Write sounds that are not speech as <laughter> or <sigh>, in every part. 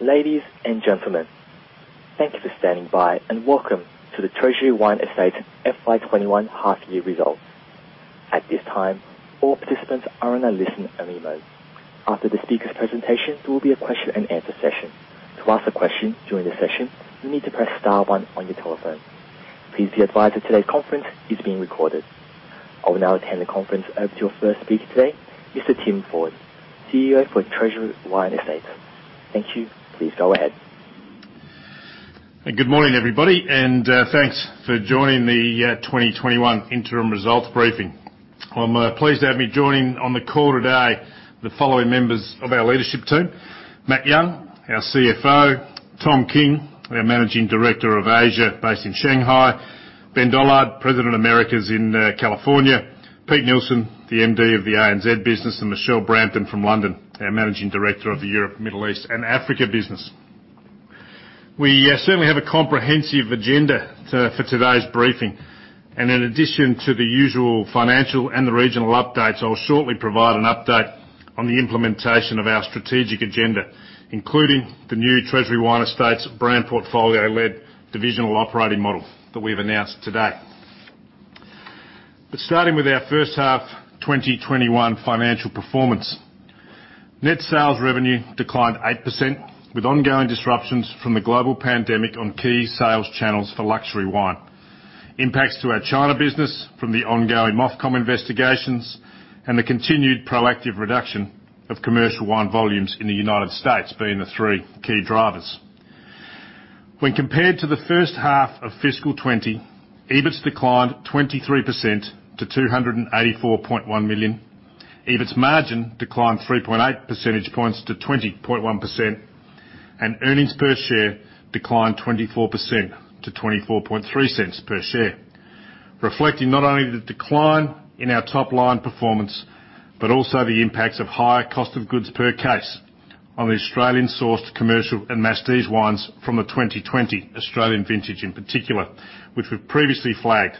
Ladies and gentlemen, thank you for standing by, and welcome to the Treasury Wine Estates FY 2021 half-year results. At this time, all participants are in a listen-only mode. After the speaker's presentation, there will be a question-and-answer session. To ask a question during the session, you need to press star one on your telephone. Please be advised that today's conference is being recorded. I will now turn the conference over to your first speaker today, Mr. Tim Ford, CEO for Treasury Wine Estates. Thank you. Please go ahead. Good morning, everybody, and thanks for joining the 2021 interim results briefing. I'm pleased to have me joining on the call today the following members of our leadership team: Matt Young, our CFO; Tom King, our Managing Director of Asia based in Shanghai; Ben Dollard, President of Americas in California; Peter Neilson, the MD of the ANZ business; and Michelle Brampton from London, our Managing Director of the Europe, Middle East, and Africa business. We certainly have a comprehensive agenda for today's briefing, and in addition to the usual financial and the regional updates, I'll shortly provide an update on the implementation of our strategic agenda, including the new Treasury Wine Estates brand portfolio-led divisional operating model that we've announced today. But starting with our first half 2021 financial performance, net sales revenue declined 8%, with ongoing disruptions from the global pandemic on key sales channels for luxury wine. Impacts to our China business from the ongoing MOFCOM investigations and the continued proactive reduction of commercial wine volumes in the United States being the three key drivers. When compared to the first half of fiscal 2020, EBITS declined 23% to 284.1 million. EBITS margin declined 3.8 percentage points to 20.1%, and earnings per share declined 24% to 0.243 per share, reflecting not only the decline in our top-line performance but also the impacts of higher cost of goods per case on the Australian-sourced commercial and masstige wines from the 2020 Australian vintage in particular, which we've previously flagged,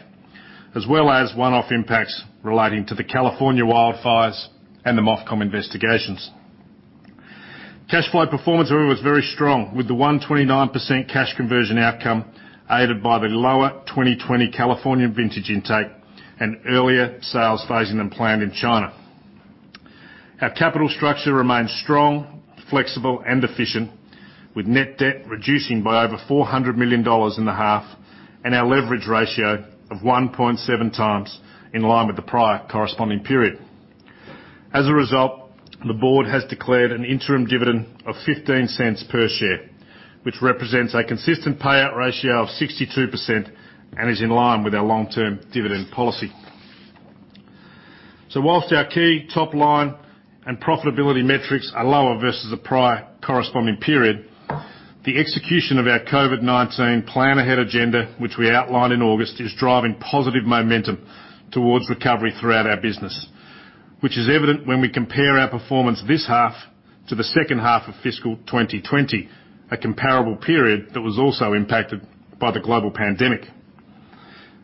as well as one-off impacts relating to the California wildfires and the MOFCOM investigations. Cash flow performance overall was very strong, with the 129% cash conversion outcome aided by the lower 2020 California vintage intake and earlier sales than planned in China. Our capital structure remained strong, flexible, and efficient, with net debt reducing by over 400 million dollars in the half and our leverage ratio of 1.7x in line with the prior corresponding period. As a result, the board has declared an interim dividend of 0.15 per share, which represents a consistent payout ratio of 62% and is in line with our long-term dividend policy. So while our key top-line and profitability metrics are lower versus the prior corresponding period, the execution of our COVID-19 Plan Ahead agenda, which we outlined in August, is driving positive momentum towards recovery throughout our business, which is evident when we compare our performance this half to the second half of fiscal 2020, a comparable period that was also impacted by the global pandemic.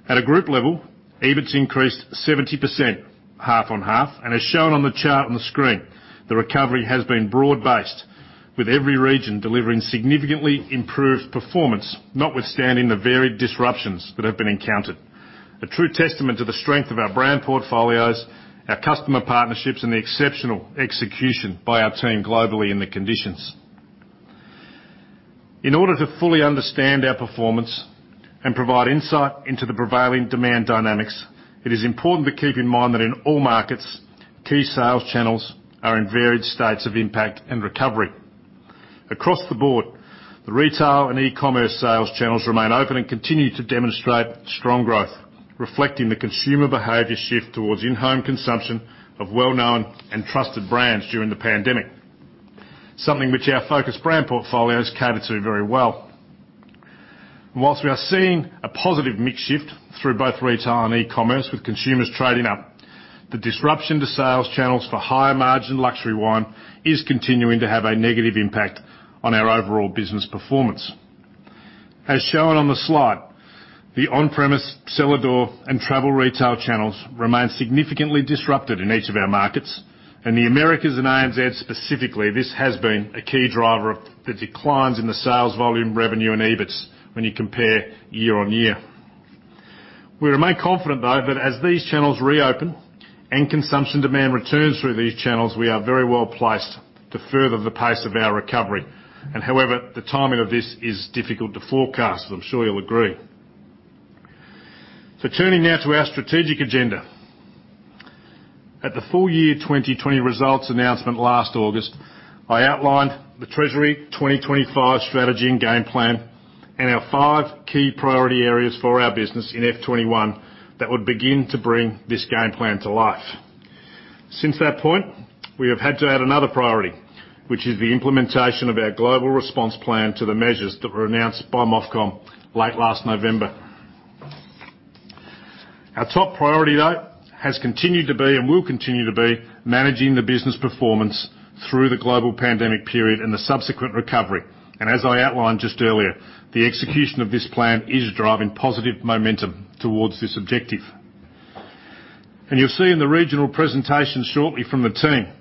At a group level, EBITS increased 70% half on half, and as shown on the chart on the screen, the recovery has been broad-based, with every region delivering significantly improved performance, notwithstanding the varied disruptions that have been encountered, a true testament to the strength of our brand portfolios, our customer partnerships, and the exceptional execution by our team globally in the conditions. In order to fully understand our performance and provide insight into the prevailing demand dynamics, it is important to keep in mind that in all markets, key sales channels are in varied states of impact and recovery. Across the board, the retail and e-commerce sales channels remain open and continue to demonstrate strong growth, reflecting the consumer behavior shift towards in-home consumption of well-known and trusted brands during the pandemic, something which our focused brand portfolios cater to very well. While we are seeing a positive mix shift through both retail and e-commerce, with consumers trading up, the disruption to sales channels for higher margin luxury wine is continuing to have a negative impact on our overall business performance. As shown on the slide, the on-premise, cellar door, and travel retail channels remain significantly disrupted in each of our markets, and in the Americas and ANZ specifically, this has been a key driver of the declines in the sales volume, revenue, and EBITS when you compare year on year. We remain confident, though, that as these channels reopen and consumption demand returns through these channels, we are very well placed to further the pace of our recovery. However, the timing of this is difficult to forecast, I'm sure you'll agree. Turning now to our strategic agenda. At the full year 2020 results announcement last August, I outlined the Treasury 2025 strategy and game plan and our five key priority areas for our business in F 2021 that would begin to bring this game plan to life. Since that point, we have had to add another priority, which is the implementation of our global response plan to the measures that were announced by MOFCOM late last November. Our top priority, though, has continued to be and will continue to be managing the business performance through the global pandemic period and the subsequent recovery, and as I outlined just earlier, the execution of this plan is driving positive momentum towards this objective. You'll see in the regional presentation shortly from the team,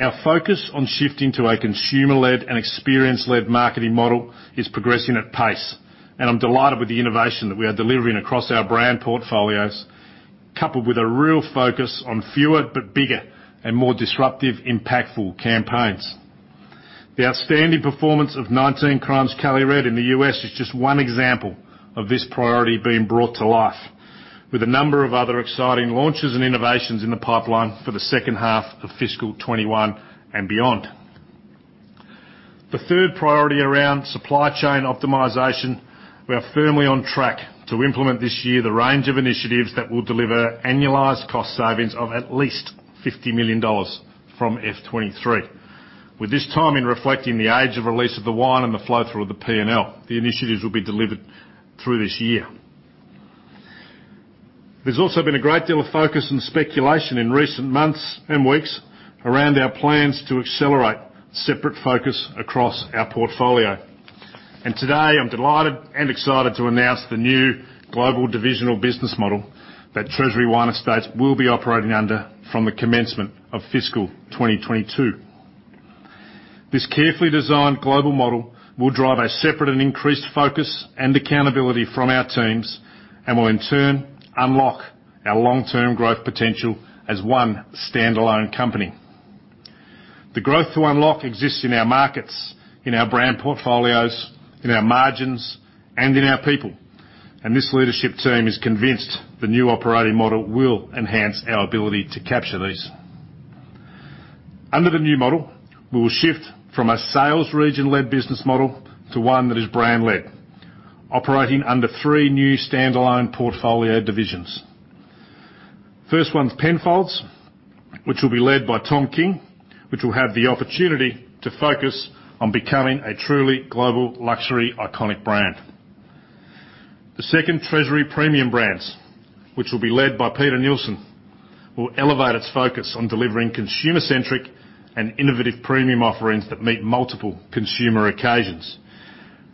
our focus on shifting to a consumer-led and experience-led marketing model is progressing at pace, and I'm delighted with the innovation that we are delivering across our brand portfolios, coupled with a real focus on fewer but bigger and more disruptive, impactful campaigns. The outstanding performance of 19 Crimes Cali Red in the U.S. is just one example of this priority being brought to life, with a number of other exciting launches and innovations in the pipeline for the second half of fiscal 21 and beyond. The third priority around supply chain optimization, we are firmly on track to implement this year the range of initiatives that will deliver annualized cost savings of at least 50 million dollars from F23. With this timing reflecting the age of release of the wine and the flow-through of the P&L, the initiatives will be delivered through this year. There's also been a great deal of focus and speculation in recent months and weeks around our plans to accelerate separate focus across our portfolio. And today, I'm delighted and excited to announce the new global divisional business model that Treasury Wine Estates will be operating under from the commencement of fiscal 2022. This carefully designed global model will drive a separate and increased focus and accountability from our teams and will in turn unlock our long-term growth potential as one standalone company. The growth to unlock exists in our markets, in our brand portfolios, in our margins, and in our people, and this leadership team is convinced the new operating model will enhance our ability to capture these. Under the new model, we will shift from a sales region-led business model to one that is brand-led, operating under three new standalone portfolio divisions. First one's Penfolds, which will be led by Tom King, which will have the opportunity to focus on becoming a truly global luxury iconic brand. The second, Treasury Premium Brands, which will be led by Peter Neilson, will elevate its focus on delivering consumer-centric and innovative premium offerings that meet multiple consumer occasions.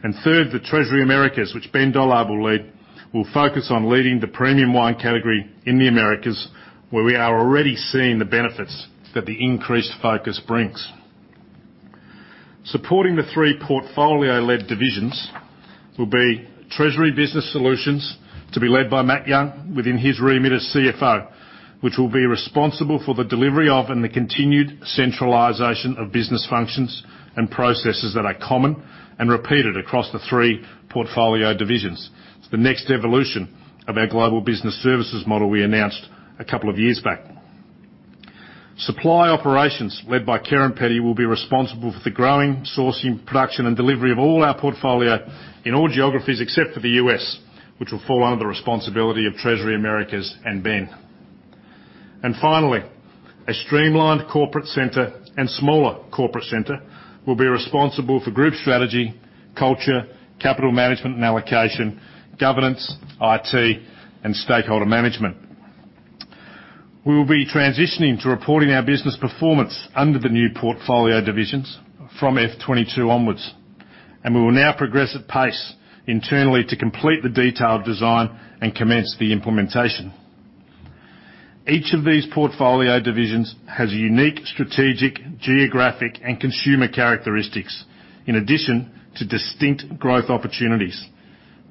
And third, the Treasury Americas, which Ben Dollard will lead, will focus on leading the premium wine category in the Americas, where we are already seeing the benefits that the increased focus brings. Supporting the three portfolio-led divisions will be Treasury Business Solutions, to be led by Matt Young within his remit as CFO, which will be responsible for the delivery of and the continued centralization of business functions and processes that are common and repeated across the three portfolio divisions. It's the next evolution of our global business services model we announced a couple of years back. Supply operations, led by Kerrin Petty, will be responsible for the growing, sourcing, production, and delivery of all our portfolio in all geographies except for the U.S., which will fall under the responsibility of Treasury Americas and Ben. And finally, a streamlined corporate center and smaller corporate center will be responsible for group strategy, culture, capital management and allocation, governance, IT, and stakeholder management. We will be transitioning to reporting our business performance under the new portfolio divisions from F 2022 onwards, and we will now progress at pace internally to complete the detailed design and commence the implementation. Each of these portfolio divisions has unique strategic, geographic, and consumer characteristics, in addition to distinct growth opportunities,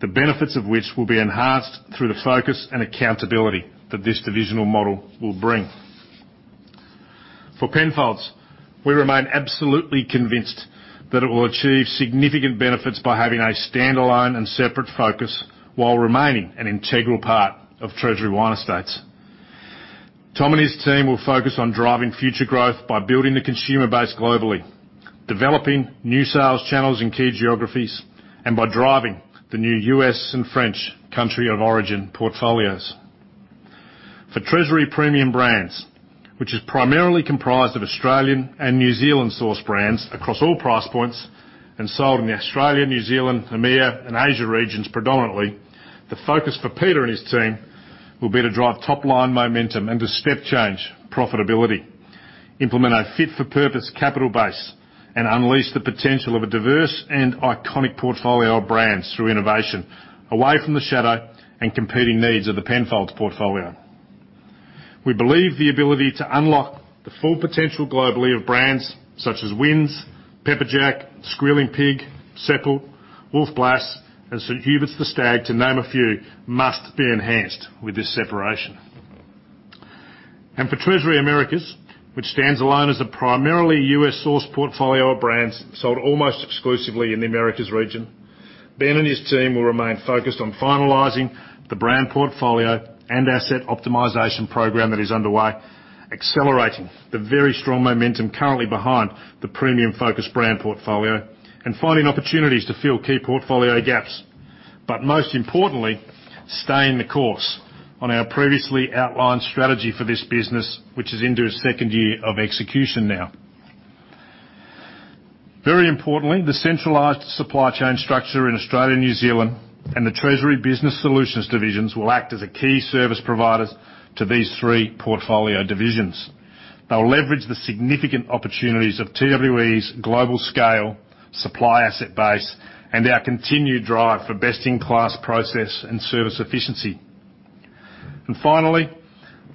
the benefits of which will be enhanced through the focus and accountability that this divisional model will bring. For Penfolds, we remain absolutely convinced that it will achieve significant benefits by having a standalone and separate focus while remaining an integral part of Treasury Wine Estates. Tom and his team will focus on driving future growth by building the consumer base globally, developing new sales channels in key geographies, and by driving the new U.S. and French country of origin portfolios. For Treasury Premium Brands, which is primarily comprised of Australian and New Zealand-sourced brands across all price points and sold in the Australia, New Zealand, EMEA, and Asia regions predominantly, the focus for Peter and his team will be to drive top-line momentum and to step change profitability, implement a fit-for-purpose capital base, and unleash the potential of a diverse and iconic portfolio of brands through innovation, away from the shadow and competing needs of the Penfolds portfolio. We believe the ability to unlock the full potential globally of brands such as Wynns, Pepperjack, Squealing Pig, Seppelt, Wolf Blass, and St Huberts The Stag, to name a few, must be enhanced with this separation. And for Treasury Americas, which stands alone as a primarily U.S.-sourced portfolio of brands sold almost exclusively in the Americas region, Ben and his team will remain focused on finalizing the brand portfolio and asset optimization program that is underway, accelerating the very strong momentum currently behind the premium-focused brand portfolio, and finding opportunities to fill key portfolio gaps, but most importantly, staying the course on our previously outlined strategy for this business, which is into its second year of execution now. Very importantly, the centralized supply chain structure in Australia and New Zealand and the Treasury Business Solutions divisions will act as key service providers to these three portfolio divisions. They'll leverage the significant opportunities of TWE's global scale, supply asset base, and our continued drive for best-in-class process and service efficiency. And finally,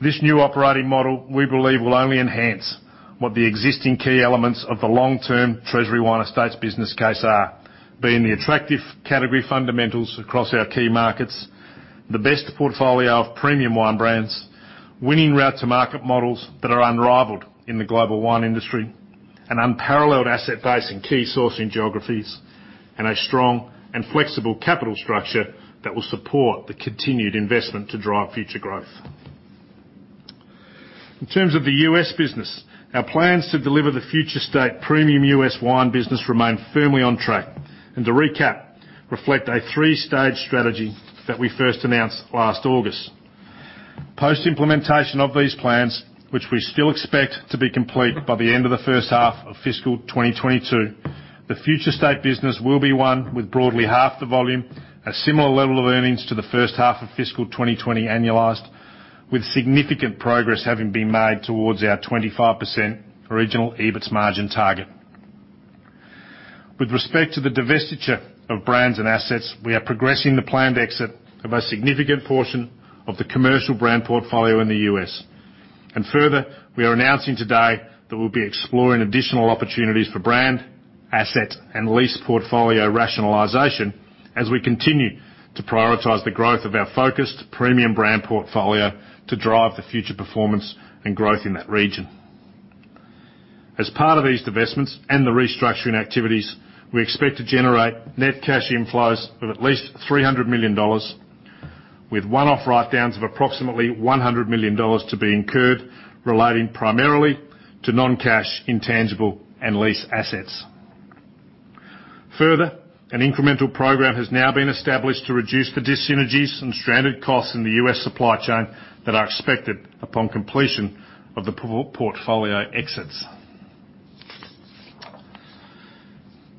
this new operating model we believe will only enhance what the existing key elements of the long-term Treasury Wine Estates business case are, being the attractive category fundamentals across our key markets, the best portfolio of premium wine brands, winning route-to-market models that are unrivalled in the global wine industry, an unparalleled asset base in key sourcing geographies, and a strong and flexible capital structure that will support the continued investment to drive future growth. In terms of the U.S. business, our plans to deliver the Future State Premium U.S. Wine business remain firmly on track and, to recap, reflect a three-stage strategy that we first announced last August. Post-implementation of these plans, which we still expect to be complete by the end of the first half of fiscal 2022, the future state business will be one with broadly half the volume, a similar level of earnings to the first half of fiscal 2020 annualized, with significant progress having been made towards our 25% original EBITS margin target. With respect to the divestiture of brands and assets, we are progressing the planned exit of a significant portion of the commercial brand portfolio in the U.S., and further, we are announcing today that we'll be exploring additional opportunities for brand, asset, and lease portfolio rationalization as we continue to prioritize the growth of our focused premium brand portfolio to drive the future performance and growth in that region. As part of these divestments and the restructuring activities, we expect to generate net cash inflows of at least 300 million dollars, with one-off write-downs of approximately 100 million dollars to be incurred relating primarily to non-cash, intangible, and lease assets. Further, an incremental program has now been established to reduce the dyssynergies and stranded costs in the U.S. supply chain that are expected upon completion of the portfolio exits.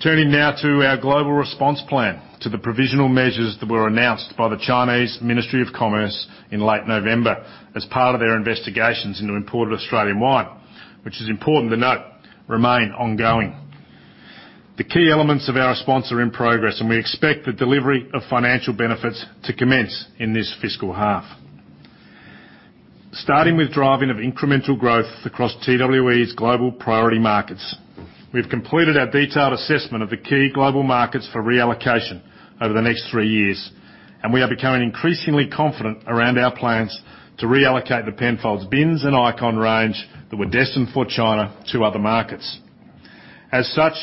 Turning now to our global response plan to the provisional measures that were announced by the Chinese Ministry of Commerce in late November as part of their investigations into imported Australian wine, which is important to note, remain ongoing. The key elements of our response are in progress, and we expect the delivery of financial benefits to commence in this fiscal half. Starting with driving of incremental growth across TWE's global priority markets, we've completed our detailed assessment of the key global markets for reallocation over the next three years, and we are becoming increasingly confident around our plans to reallocate the Penfolds Bins and Icon range that were destined for China to other markets. As such,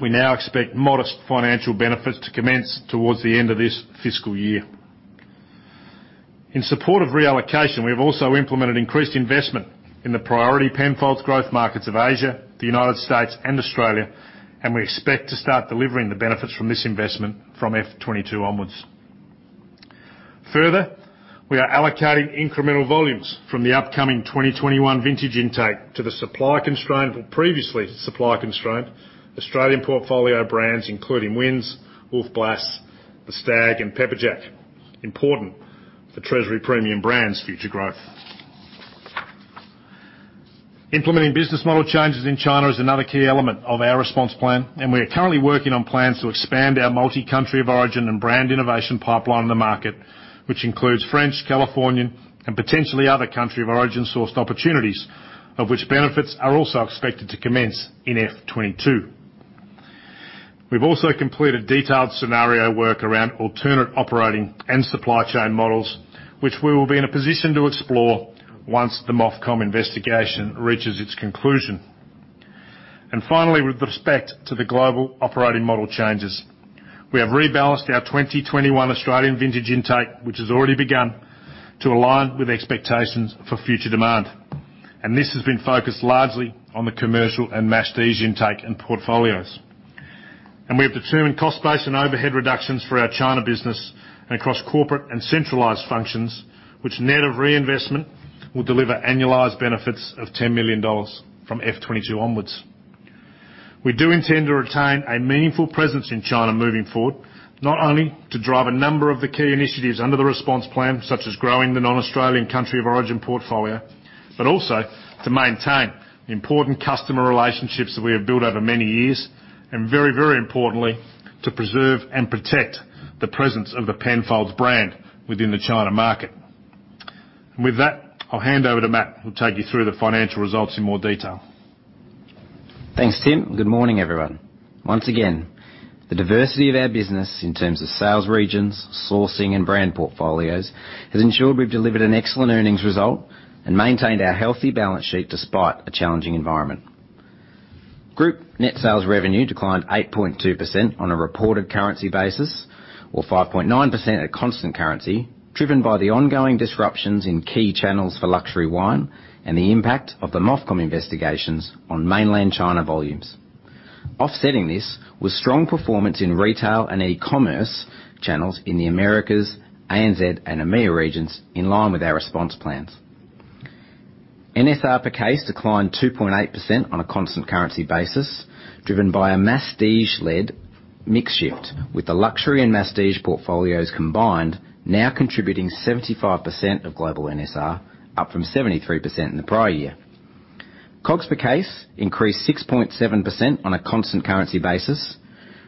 we now expect modest financial benefits to commence towards the end of this fiscal year. In support of reallocation, we have also implemented increased investment in the priority Penfolds growth markets of Asia, the United States, and Australia, and we expect to start delivering the benefits from this investment from F 2022 onwards. Further, we are allocating incremental volumes from the upcoming 2021 vintage intake to the supply-constrained or previously supply-constrained Australian portfolio brands, including Wynns, Wolf Blass, St Huberts The Stag, and Pepperjack, important for Treasury Premium Brands' future growth. Implementing business model changes in China is another key element of our response plan, and we are currently working on plans to expand our multi-country of origin and brand innovation pipeline in the market, which includes French, Californian, and potentially other country of origin sourced opportunities, of which benefits are also expected to commence in F 2022. We've also completed detailed scenario work around alternate operating and supply chain models, which we will be in a position to explore once the MOFCOM investigation reaches its conclusion. And finally, with respect to the global operating model changes, we have rebalanced our 2021 Australian vintage intake, which has already begun, to align with expectations for future demand, and this has been focused largely on the commercial and masstige intake and portfolios. We have determined cost base and overhead reductions for our China business and across corporate and centralized functions, which net of reinvestment will deliver annualized benefits of 10 million dollars from F 2022 onwards. We do intend to retain a meaningful presence in China moving forward, not only to drive a number of the key initiatives under the response plan, such as growing the non-Australian country of origin portfolio, but also to maintain important customer relationships that we have built over many years, and very, very importantly, to preserve and protect the presence of the Penfolds brand within the China market. And with that, I'll hand over to Matt, who'll take you through the financial results in more detail. Thanks, Tim. Good morning, everyone. Once again, the diversity of our business in terms of sales regions, sourcing, and brand portfolios has ensured we've delivered an excellent earnings result and maintained our healthy balance sheet despite a challenging environment. Group net sales revenue declined 8.2% on a reported currency basis, or 5.9% at constant currency, driven by the ongoing disruptions in key channels for luxury wine and the impact of the MOFCOM investigations on mainland China volumes. Offsetting this was strong performance in retail and e-commerce channels in the Americas, ANZ, and EMEA regions in line with our response plans. NSR per case declined 2.8% on a constant currency basis, driven by a masstige-led mix shift, with the luxury and masstige portfolios combined now contributing 75% of global NSR, up from 73% in the prior year. per case increased 6.7% on a constant currency basis,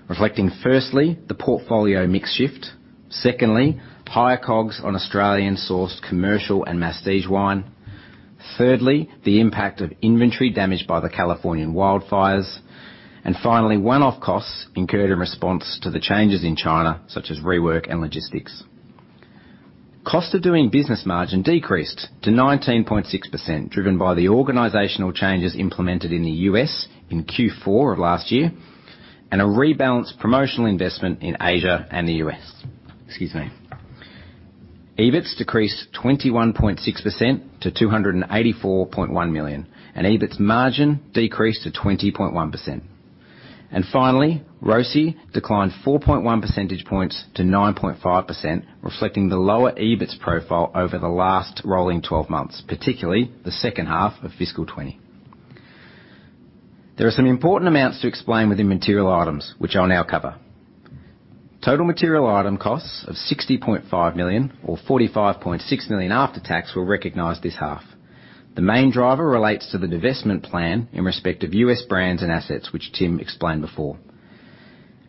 reflecting firstly the portfolio mix shift, secondly higher COGS on Australian-sourced commercial and masstige wine, thirdly the impact of inventory damage by the Californian wildfires, and finally one-off costs incurred in response to the changes in China, such as rework and logistics. Cost of doing business margin decreased to 19.6%, driven by the organizational changes implemented in the U.S. in Q4 of last year and a rebalanced promotional investment in Asia and the U.S. Excuse me. EBITS decreased 21.6% to 284.1 million, and EBITS margin decreased to 20.1%. And finally, ROCE declined 4.1 percentage points to 9.5%, reflecting the lower EBITS profile over the last rolling 12 months, particularly the second half of fiscal 2020. There are some important amounts to explain within material items, which I'll now cover. Total material item costs of 60.5 million, or 45.6 million after tax, will recognize this half. The main driver relates to the divestment plan in respect of U.S. brands and assets, which Tim explained before.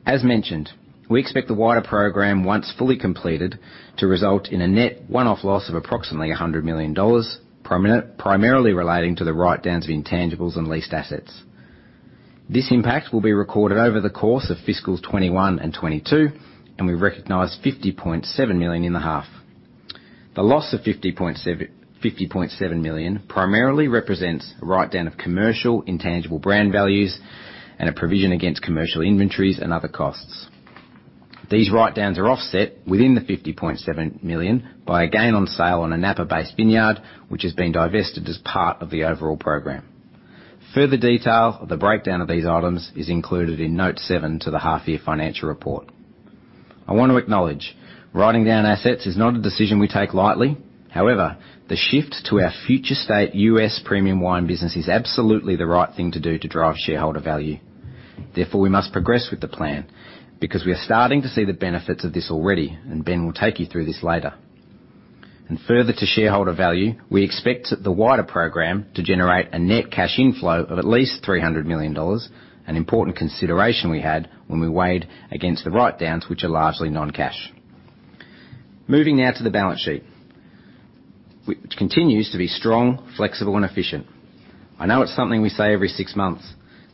As mentioned, we expect the wider program, once fully completed, to result in a net one-off loss of approximately 100 million dollars, primarily relating to the write-downs of intangibles and leased assets. This impact will be recorded over the course of fiscal 2021 and 2022, and we recognize 50.7 million in the half. The loss of 50.7 million primarily represents a write-down of commercial intangible brand values and a provision against commercial inventories and other costs. These write-downs are offset within the 50.7 million by a gain on sale on a Napa-based vineyard, which has been divested as part of the overall program. Further detail of the breakdown of these items is included in note seven to the half-year financial report. I want to acknowledge writing down assets is not a decision we take lightly. However, the shift to our future state U.S. premium wine business is absolutely the right thing to do to drive shareholder value. Therefore, we must progress with the plan because we are starting to see the benefits of this already, and Ben will take you through this later, and further to shareholder value, we expect the wider program to generate a net cash inflow of at least 300 million dollars, an important consideration we had when we weighed against the write-downs, which are largely non-cash. Moving now to the balance sheet, which continues to be strong, flexible, and efficient. I know it's something we say every six months,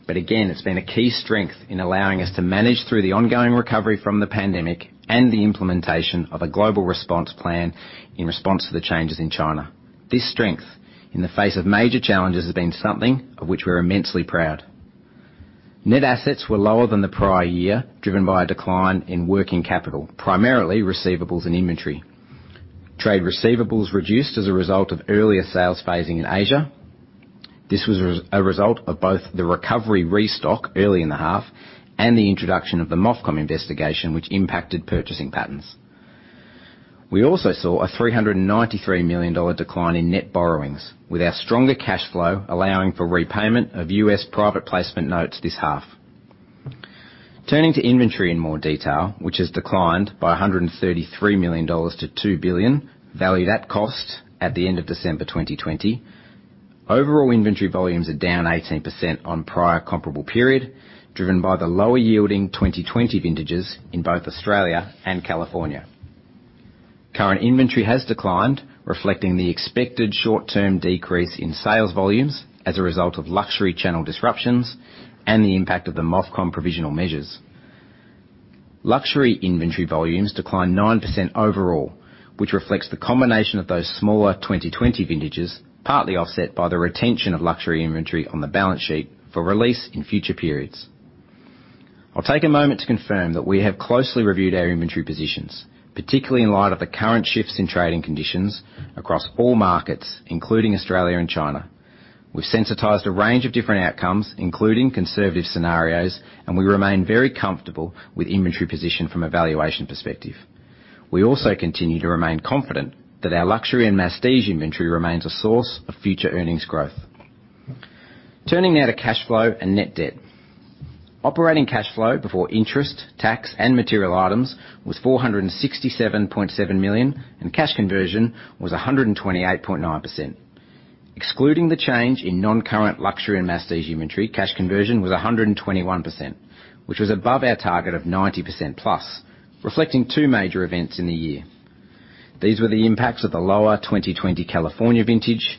but again, it's been a key strength in allowing us to manage through the ongoing recovery from the pandemic and the implementation of a global response plan in response to the changes in China. This strength in the face of major challenges has been something of which we're immensely proud. Net assets were lower than the prior year, driven by a decline in working capital, primarily receivables and inventory. Trade receivables reduced as a result of earlier sales phasing in Asia. This was a result of both the recovery restock early in the half and the introduction of the MOFCOM investigation, which impacted purchasing patterns. We also saw a 393 million dollar decline in net borrowings, with our stronger cash flow allowing for repayment of U.S. private placement notes this half. Turning to inventory in more detail, which has declined by AUD 133 million to AUD 2 billion, valued at cost at the end of December 2020, overall inventory volumes are down 18% on prior comparable period, driven by the lower yielding 2020 vintages in both Australia and California. Current inventory has declined, reflecting the expected short-term decrease in sales volumes as a result of luxury channel disruptions and the impact of the MOFCOM provisional measures. Luxury inventory volumes declined 9% overall, which reflects the combination of those smaller 2020 vintages, partly offset by the retention of luxury inventory on the balance sheet for release in future periods. I'll take a moment to confirm that we have closely reviewed our inventory positions, particularly in light of the current shifts in trading conditions across all markets, including Australia and China. We've sensitised a range of different outcomes, including conservative scenarios, and we remain very comfortable with inventory position from a valuation perspective. We also continue to remain confident that our luxury and masstige inventory remains a source of future earnings growth. Turning now to cash flow and net debt. Operating cash flow before interest, tax, and material items was 467.7 million, and cash conversion was 128.9%. Excluding the change in non-current luxury and masstige inventory, cash conversion was 121%, which was above our target of 90% plus, reflecting two major events in the year. These were the impacts of the lower 2020 California vintage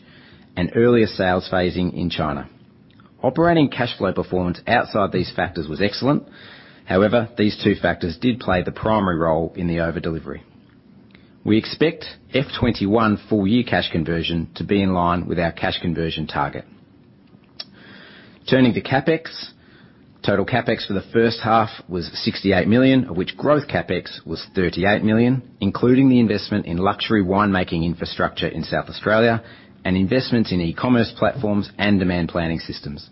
and earlier sales phasing in China. Operating cash flow performance outside these factors was excellent. However, these two factors did play the primary role in the overdelivery. We expect F 2021 full-year cash conversion to be in line with our cash conversion target. Turning to CapEx, total CapEx for the first half was 68 million, of which growth CapEx was 38 million, including the investment in luxury winemaking infrastructure in South Australia and investments in e-commerce platforms and demand planning systems.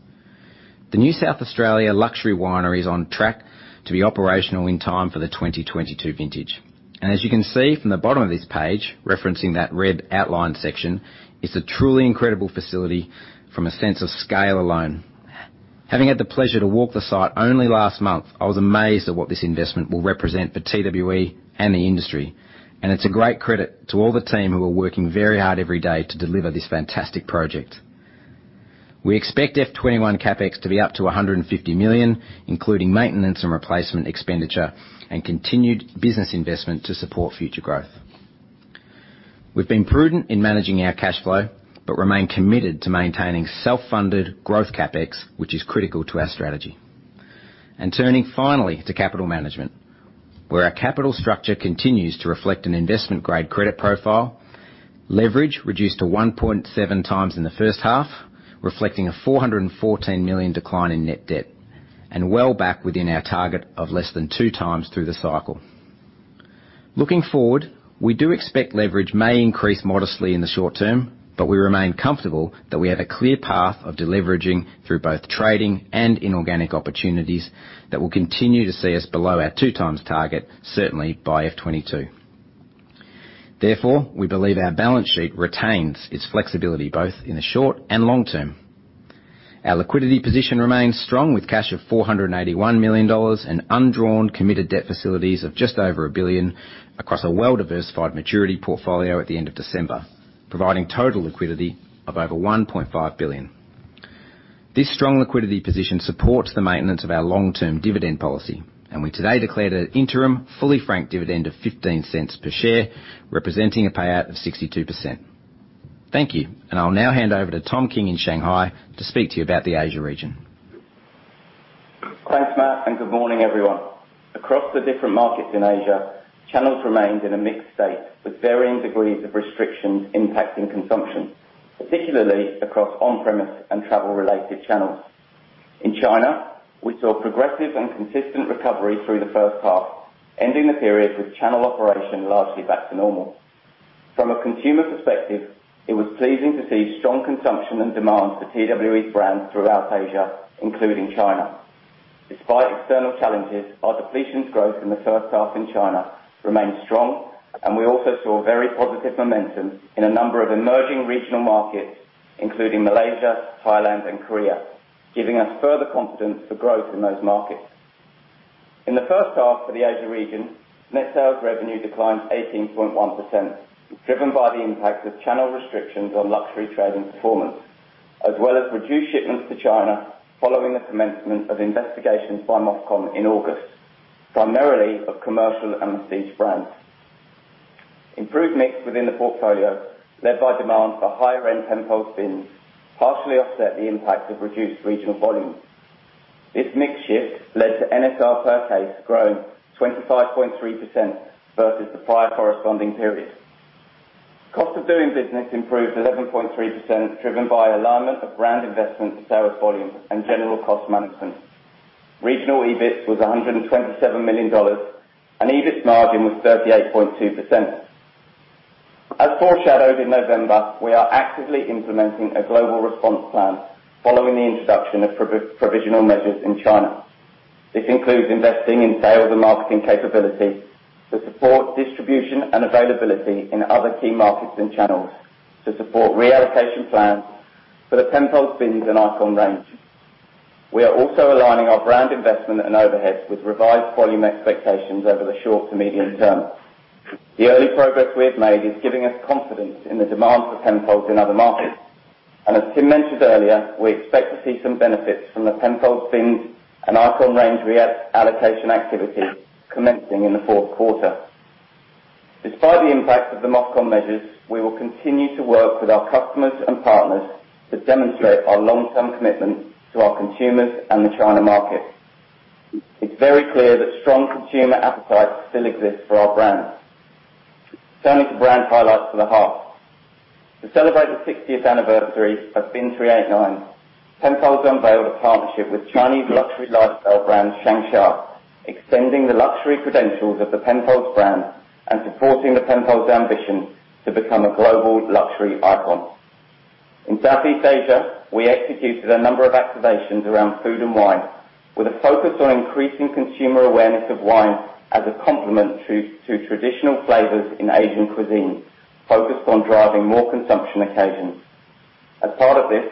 The new South Australia luxury winery is on track to be operational in time for the 2022 vintage, and as you can see from the bottom of this page, referencing that red outline section, it's a truly incredible facility from a sense of scale alone. Having had the pleasure to walk the site only last month, I was amazed at what this investment will represent for TWE and the industry, and it's a great credit to all the team who are working very hard every day to deliver this fantastic project. We expect FY 2021 CapEx to be up to 150 million, including maintenance and replacement expenditure and continued business investment to support future growth. We've been prudent in managing our cash flow, but remain committed to maintaining self-funded growth CapEx, which is critical to our strategy. And turning finally to capital management, where our capital structure continues to reflect an investment-grade credit profile, leverage reduced to 1.7x in the first half, reflecting a 414 million decline in net debt, and well back within our target of less than 2x through the cycle. Looking forward, we do expect leverage may increase modestly in the short term, but we remain comfortable that we have a clear path of deleveraging through both trading and inorganic opportunities that will continue to see us below our two times target, certainly by FY 2022. Therefore, we believe our balance sheet retains its flexibility both in the short and long term. Our liquidity position remains strong with cash of 481 million dollars and undrawn committed debt facilities of just over 1 billion across a well-diversified maturity portfolio at the end of December, providing total liquidity of over 1.5 billion. This strong liquidity position supports the maintenance of our long-term dividend policy, and we today declared an interim fully franked dividend of 0.15 per share, representing a payout of 62%. Thank you, and I'll now hand over to Tom King in Shanghai to speak to you about the Asia region. Thanks, Matt, and good morning, everyone. Across the different markets in Asia, channels remained in a mixed state with varying degrees of restrictions impacting consumption, particularly across on-premise and travel-related channels. In China, we saw progressive and consistent recovery through the first half, ending the period with channel operation largely back to normal. From a consumer perspective, it was pleasing to see strong consumption and demand for TWE's brands throughout Asia, including China. Despite external challenges, our depletion growth in the first half in China remained strong, and we also saw very positive momentum in a number of emerging regional markets, including Malaysia, Thailand, and Korea, giving us further confidence for growth in those markets. In the first half for the Asia region, net sales revenue declined 18.1%, driven by the impact of channel restrictions on luxury trading performance, as well as reduced shipments to China following the commencement of investigations by MOFCOM in August, primarily of commercial and masstige brands. Improved mix within the portfolio, led by demand for higher-end Penfolds Bins, partially offset the impact of reduced regional volumes. This mix shift led to NSR per case growing 25.3% versus the prior corresponding period. Cost of doing business improved 11.3%, driven by alignment of brand investment, sales volume, and general cost management. Regional EBIT was 127 million dollars, and EBIT margin was 38.2%. As foreshadowed in November, we are actively implementing a global response plan following the introduction of provisional measures in China. This includes investing in sales and marketing capability to support distribution and availability in other key markets and channels to support reallocation plans for the Penfolds Bins and icon range. We are also aligning our brand investment and overheads with revised volume expectations over the short to medium term. The early progress we have made is giving us confidence in the demand for Penfolds in other markets, and as Tim mentioned earlier, we expect to see some benefits from the Penfolds Bins and icon range reallocation activity commencing in the fourth quarter. Despite the impact of the MOFCOM measures, we will continue to work with our customers and partners to demonstrate our long-term commitment to our consumers and the China market. It's very clear that strong consumer appetites still exist for our brands. Turning to brand highlights for the half. To celebrate the 60th anniversary of Bin 389, Penfolds unveiled a partnership with Chinese luxury lifestyle brand SHANG XIA, extending the luxury credentials of the Penfolds brand and supporting the Penfolds ambition to become a global luxury icon. In Southeast Asia, we executed a number of activations around food and wine, with a focus on increasing consumer awareness of wine as a complement to traditional flavors in Asian cuisine, focused on driving more consumption occasions. As part of this,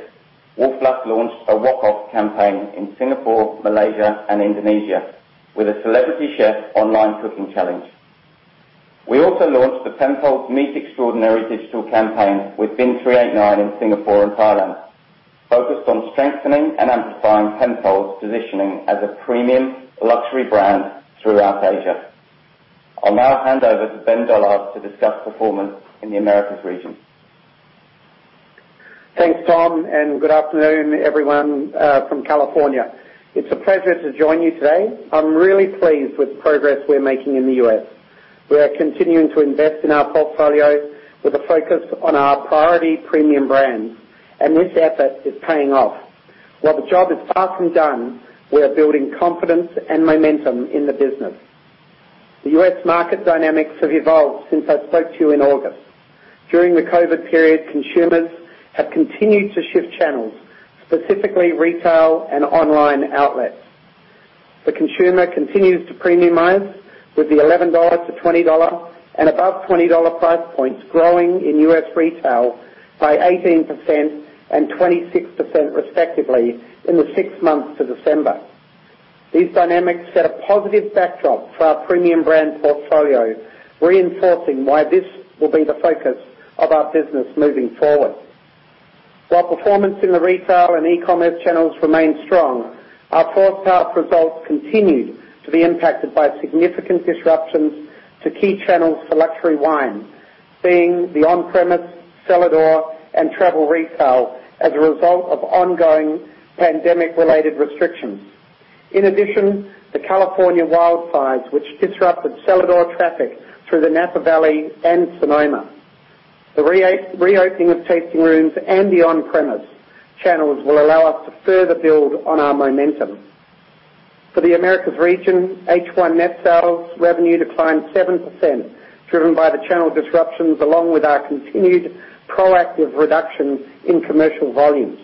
Wolf Blass launched a walk-off campaign in Singapore, Malaysia, and Indonesia, with a celebrity chef online cooking challenge. We also launched the Penfolds Meet Extraordinary digital campaign with Bin 389 in Singapore and Thailand, focused on strengthening and amplifying Penfolds' positioning as a premium luxury brand throughout Asia. I'll now hand over to Ben Dollard to discuss performance in the Americas region. Thanks, Tom, and good afternoon, everyone from California. It's a pleasure to join you today. I'm really pleased with the progress we're making in the U.S. We're continuing to invest in our portfolio with a focus on our priority premium brands, and this effort is paying off. While the job is fast and done, we're building confidence and momentum in the business. The U.S. market dynamics have evolved since I spoke to you in August. During the COVID period, consumers have continued to shift channels, specifically retail and online outlets. The consumer continues to premiumize with the 11-20 dollars and above 20 dollar price points growing in U.S. retail by 18% and 26% respectively in the six months to December. These dynamics set a positive backdrop for our premium brand portfolio, reinforcing why this will be the focus of our business moving forward. While performance in the retail and e-commerce channels remained strong, our second half results continued to be impacted by significant disruptions to key channels for luxury wine, being the on-premise, cellar door, and travel retail as a result of ongoing pandemic-related restrictions. In addition, the California wildfires, which disrupted cellar door traffic through the Napa Valley and Sonoma. The reopening of tasting rooms and the on-premise channels will allow us to further build on our momentum. For the Americas region, H1 net sales revenue declined 7%, driven by the channel disruptions along with our continued proactive reduction in commercial volumes.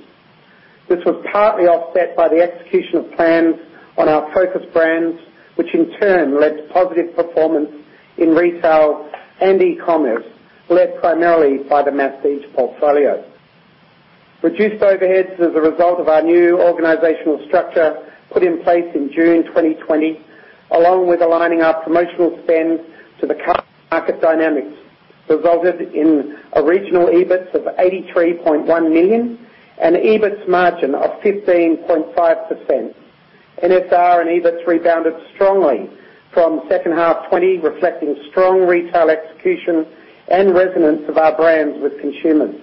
This was partly offset by the execution of plans on our focus brands, which in turn led to positive performance in retail and e-commerce, led primarily by the masstige portfolio. Reduced overheads as a result of our new organizational structure put in place in June 2020, along with aligning our promotional spend to the current market dynamics, resulted in a regional EBIT of 83.1 million and an EBIT margin of 15.5%. NSR and EBIT rebounded strongly from second half 2020, reflecting strong retail execution and resonance of our brands with consumers.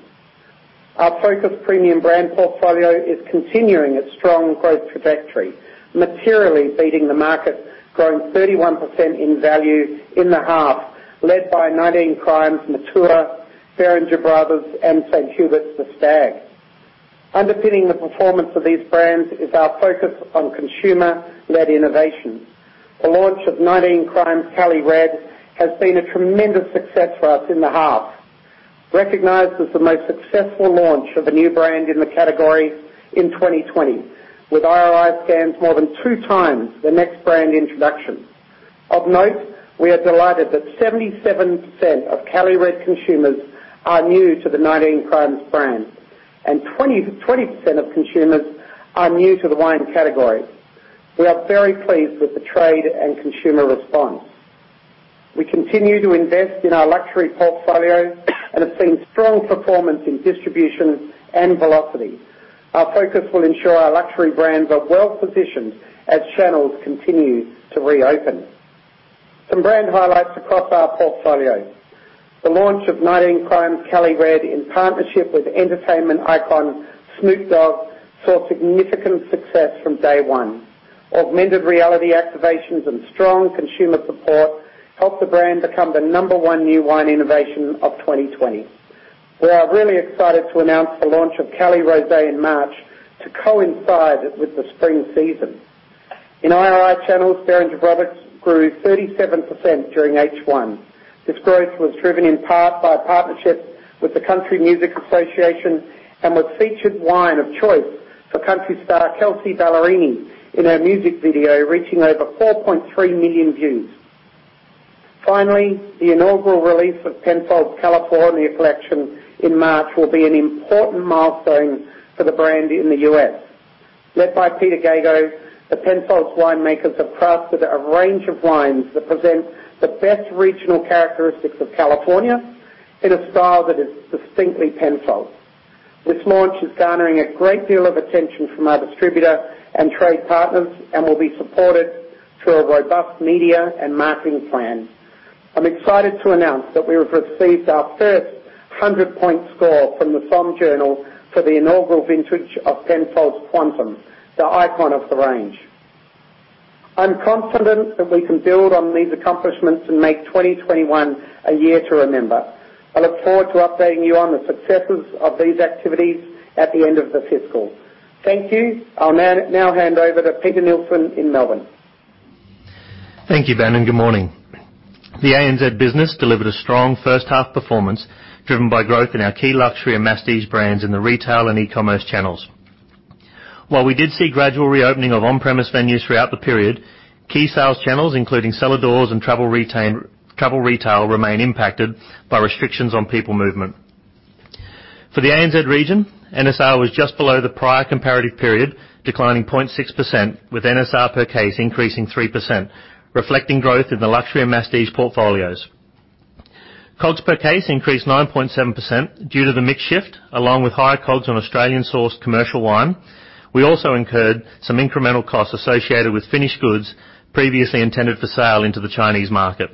Our focus premium brand portfolio is continuing its strong growth trajectory, materially beating the market, growing 31% in value in the half, led by 19 Crimes, Matua, Beringer Bros., and St Huberts The Stag. Underpinning the performance of these brands is our focus on consumer-led innovation. The launch of 19 Crimes Cali Red has been a tremendous success for us in the half, recognized as the most successful launch of a new brand in the category in 2020, with IRI scans more than two times the next brand introduction. Of note, we are delighted that 77% of Cali Red consumers are new to the 19 Crimes brand, and 20% of consumers are new to the wine category. We are very pleased with the trade and consumer response. We continue to invest in our luxury portfolio and have seen strong performance in distribution and velocity. Our focus will ensure our luxury brands are well positioned as channels continue to reopen. Some brand highlights across our portfolio. The launch of 19 Crimes Cali Red in partnership with entertainment icon Snoop Dogg saw significant success from day one. Augmented reality activations and strong consumer support helped the brand become the number one new wine innovation of 2020. We are really excited to announce the launch of Cali Rosé in March to coincide with the spring season. In IRI channels, Beringer Bros. grew 37% during H1. This growth was driven in part by partnership with the Country Music Association and with featured wine of choice for country star Kelsea Ballerini in her music video, reaching over 4.3 million views. Finally, the inaugural release of Penfolds California Collection in March will be an important milestone for the brand in the U.S.. Led by Peter Gago, the Penfolds winemakers have crafted a range of wines that present the best regional characteristics of California in a style that is distinctly Penfolds. This launch is garnering a great deal of attention from our distributor and trade partners and will be supported through a robust media and marketing plan. I'm excited to announce that we have received our first 100-point score from The Somm Journal for the inaugural vintage of Penfolds Quantum, the icon of the range. I'm confident that we can build on these accomplishments and make 2021 a year to remember. I look forward to updating you on the successes of these activities at the end of the fiscal. Thank you. I'll now hand over to Peter Neilson in Melbourne. Thank you, Ben, and good morning. The ANZ business delivered a strong first half performance driven by growth in our key luxury and masstige brands in the retail and e-commerce channels. While we did see gradual reopening of on-premise venues throughout the period, key sales channels, including cellar doors and travel retail, remain impacted by restrictions on people movement. For the ANZ region, NSR was just below the prior comparative period, declining 0.6%, with NSR per case increasing 3%, reflecting growth in the luxury and masstige portfolios. COGS per case increased 9.7% due to the mix shift, along with higher COGS on Australian-sourced commercial wine. We also incurred some incremental costs associated with finished goods previously intended for sale into the Chinese market.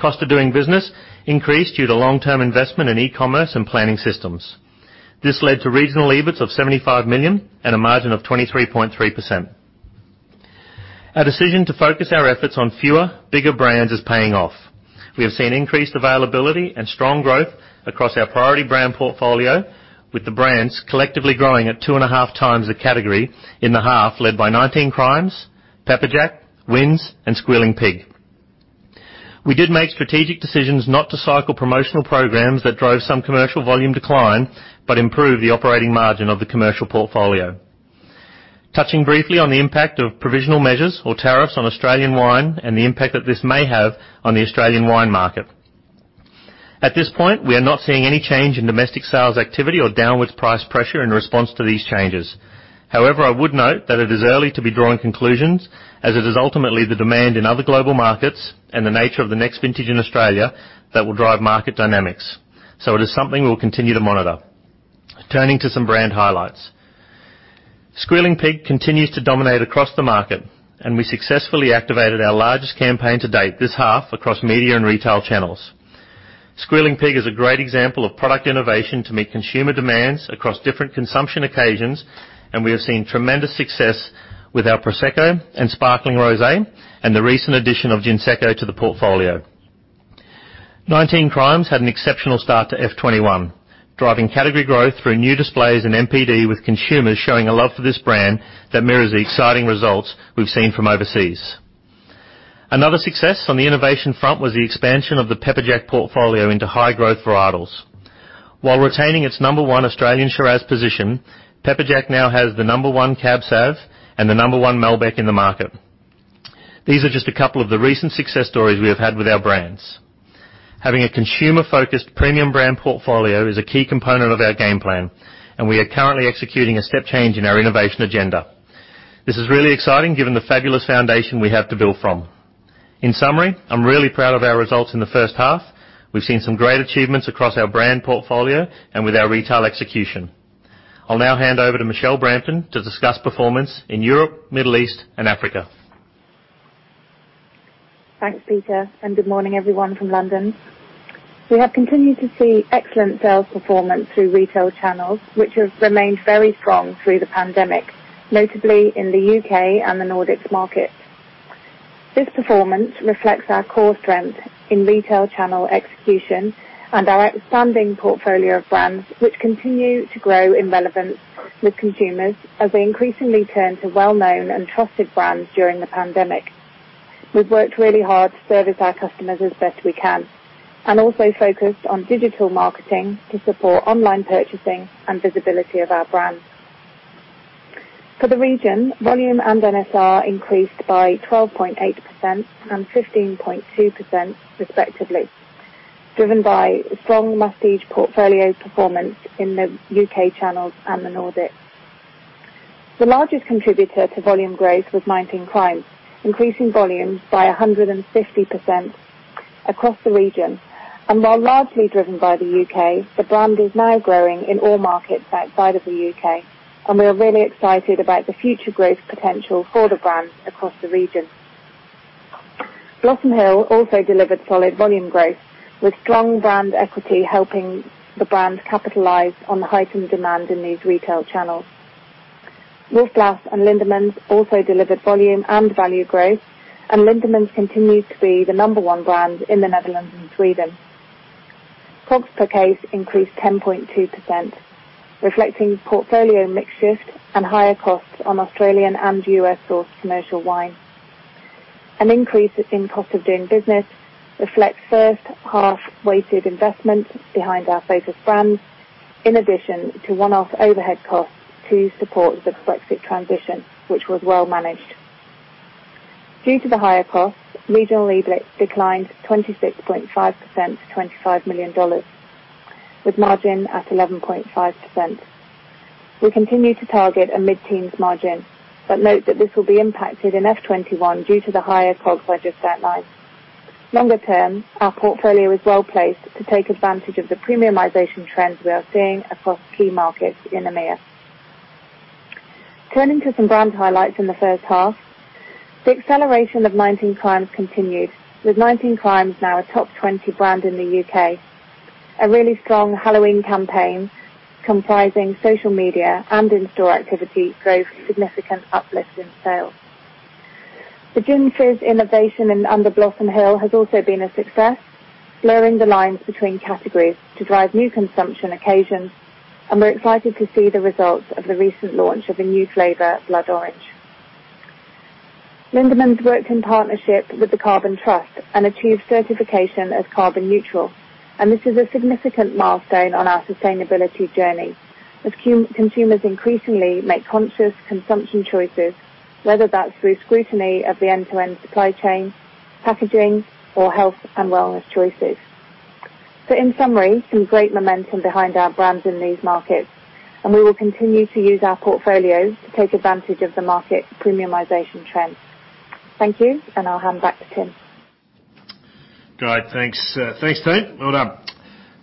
Cost of doing business increased due to long-term investment in e-commerce and planning systems. This led to regional EBITS of 75 million and a margin of 23.3%. Our decision to focus our efforts on fewer, bigger brands is paying off. We have seen increased availability and strong growth across our priority brand portfolio, with the brands collectively growing at two and a half times a category in the half led by 19 Crimes, Pepperjack, Wynns, and Squealing Pig. We did make strategic decisions not to cycle promotional programs that drove some commercial volume decline but improved the operating margin of the commercial portfolio, touching briefly on the impact of provisional measures or tariffs on Australian wine and the impact that this may have on the Australian wine market. At this point, we are not seeing any change in domestic sales activity or downwards price pressure in response to these changes. However, I would note that it is early to be drawing conclusions, as it is ultimately the demand in other global markets and the nature of the next vintage in Australia that will drive market dynamics. So it is something we will continue to monitor. Turning to some brand highlights. Squealing Pig continues to dominate across the market, and we successfully activated our largest campaign to date this half across media and retail channels. Squealing Pig is a great example of product innovation to meet consumer demands across different consumption occasions, and we have seen tremendous success with our Prosecco and Sparkling Rosé and the recent addition of Gin Secco to the portfolio. 19 Crimes had an exceptional start to FY 2021, driving category growth through new displays and NPD with consumers showing a love for this brand that mirrors the exciting results we've seen from overseas. Another success on the innovation front was the expansion of the Pepperjack portfolio into high growth varietals. While retaining its number one Australian Shiraz position, Pepperjack now has the number one Cab Sav and the number one Merlot in the market. These are just a couple of the recent success stories we have had with our brands. Having a consumer-focused premium brand portfolio is a key component of our game plan, and we are currently executing a step change in our innovation agenda. This is really exciting given the fabulous foundation we have to build from. In summary, I'm really proud of our results in the first half. We've seen some great achievements across our brand portfolio and with our retail execution. I'll now hand over to Michelle Brampton to discuss performance in Europe, Middle East, and Africa. Thanks, Peter, and good morning, everyone from London. We have continued to see excellent sales performance through retail channels, which have remained very strong through the pandemic, notably in the U.K. and the Nordics market. This performance reflects our core strength in retail channel execution and our outstanding portfolio of brands, which continue to grow in relevance with consumers as they increasingly turn to well-known and trusted brands during the pandemic. We've worked really hard to service our customers as best we can and also focused on digital marketing to support online purchasing and visibility of our brand. For the region, volume and NSR increased by 12.8% and 15.2%, respectively, driven by strong masstige portfolio performance in the U.K. channels and the Nordics. The largest contributor to volume growth was 19 Crimes, increasing volume by 150% across the region. While largely driven by the U.K., the brand is now growing in all markets outside of the U.K., and we are really excited about the future growth potential for the brand across the region. Blossom Hill also delivered solid volume growth, with strong brand equity helping the brand capitalize on the heightened demand in these retail channels. Wolf Blass and Lindeman's also delivered volume and value growth, and Lindeman's continues to be the number one brand in the Netherlands and Sweden. COGS per case increased 10.2%, reflecting portfolio mix shift and higher costs on Australian and U.S.-sourced commercial wine. An increase in cost of doing business reflects first half weighted investment behind our focus brand, in addition to one-off overhead costs to support the Brexit transition, which was well managed. Due to the higher costs, regional EBIT declined 26.5% to $25 million, with margin at 11.5%. We continue to target a mid-teens margin, but note that this will be impacted in FY 2021 due to the higher COGS I just outlined. Longer term, our portfolio is well placed to take advantage of the premiumization trends we are seeing across key markets, and now turning to some brand highlights in the first half. The acceleration of 19 Crimes continued, with 19 Crimes now a top 20 brand in the U.K.. A really strong Halloween campaign comprising social media and in-store activity drove significant uplift in sales. The ginger innovation under Blossom Hill has also been a success, blurring the lines between categories to drive new consumption occasions, and we're excited to see the results of the recent launch of a new flavor, Blood Orange. Lindeman's worked in partnership with the Carbon Trust and achieved certification as carbon neutral, and this is a significant milestone on our sustainability journey as consumers increasingly make conscious consumption choices, whether that's through scrutiny of the end-to-end supply chain, packaging, or health and wellness choices. So, in summary, some great momentum behind our brands in these markets, and we will continue to use our portfolio to take advantage of the market premiumization trends. Thank you, and I'll hand back to Tim. Great. Thanks. Thanks, Tim. Well done.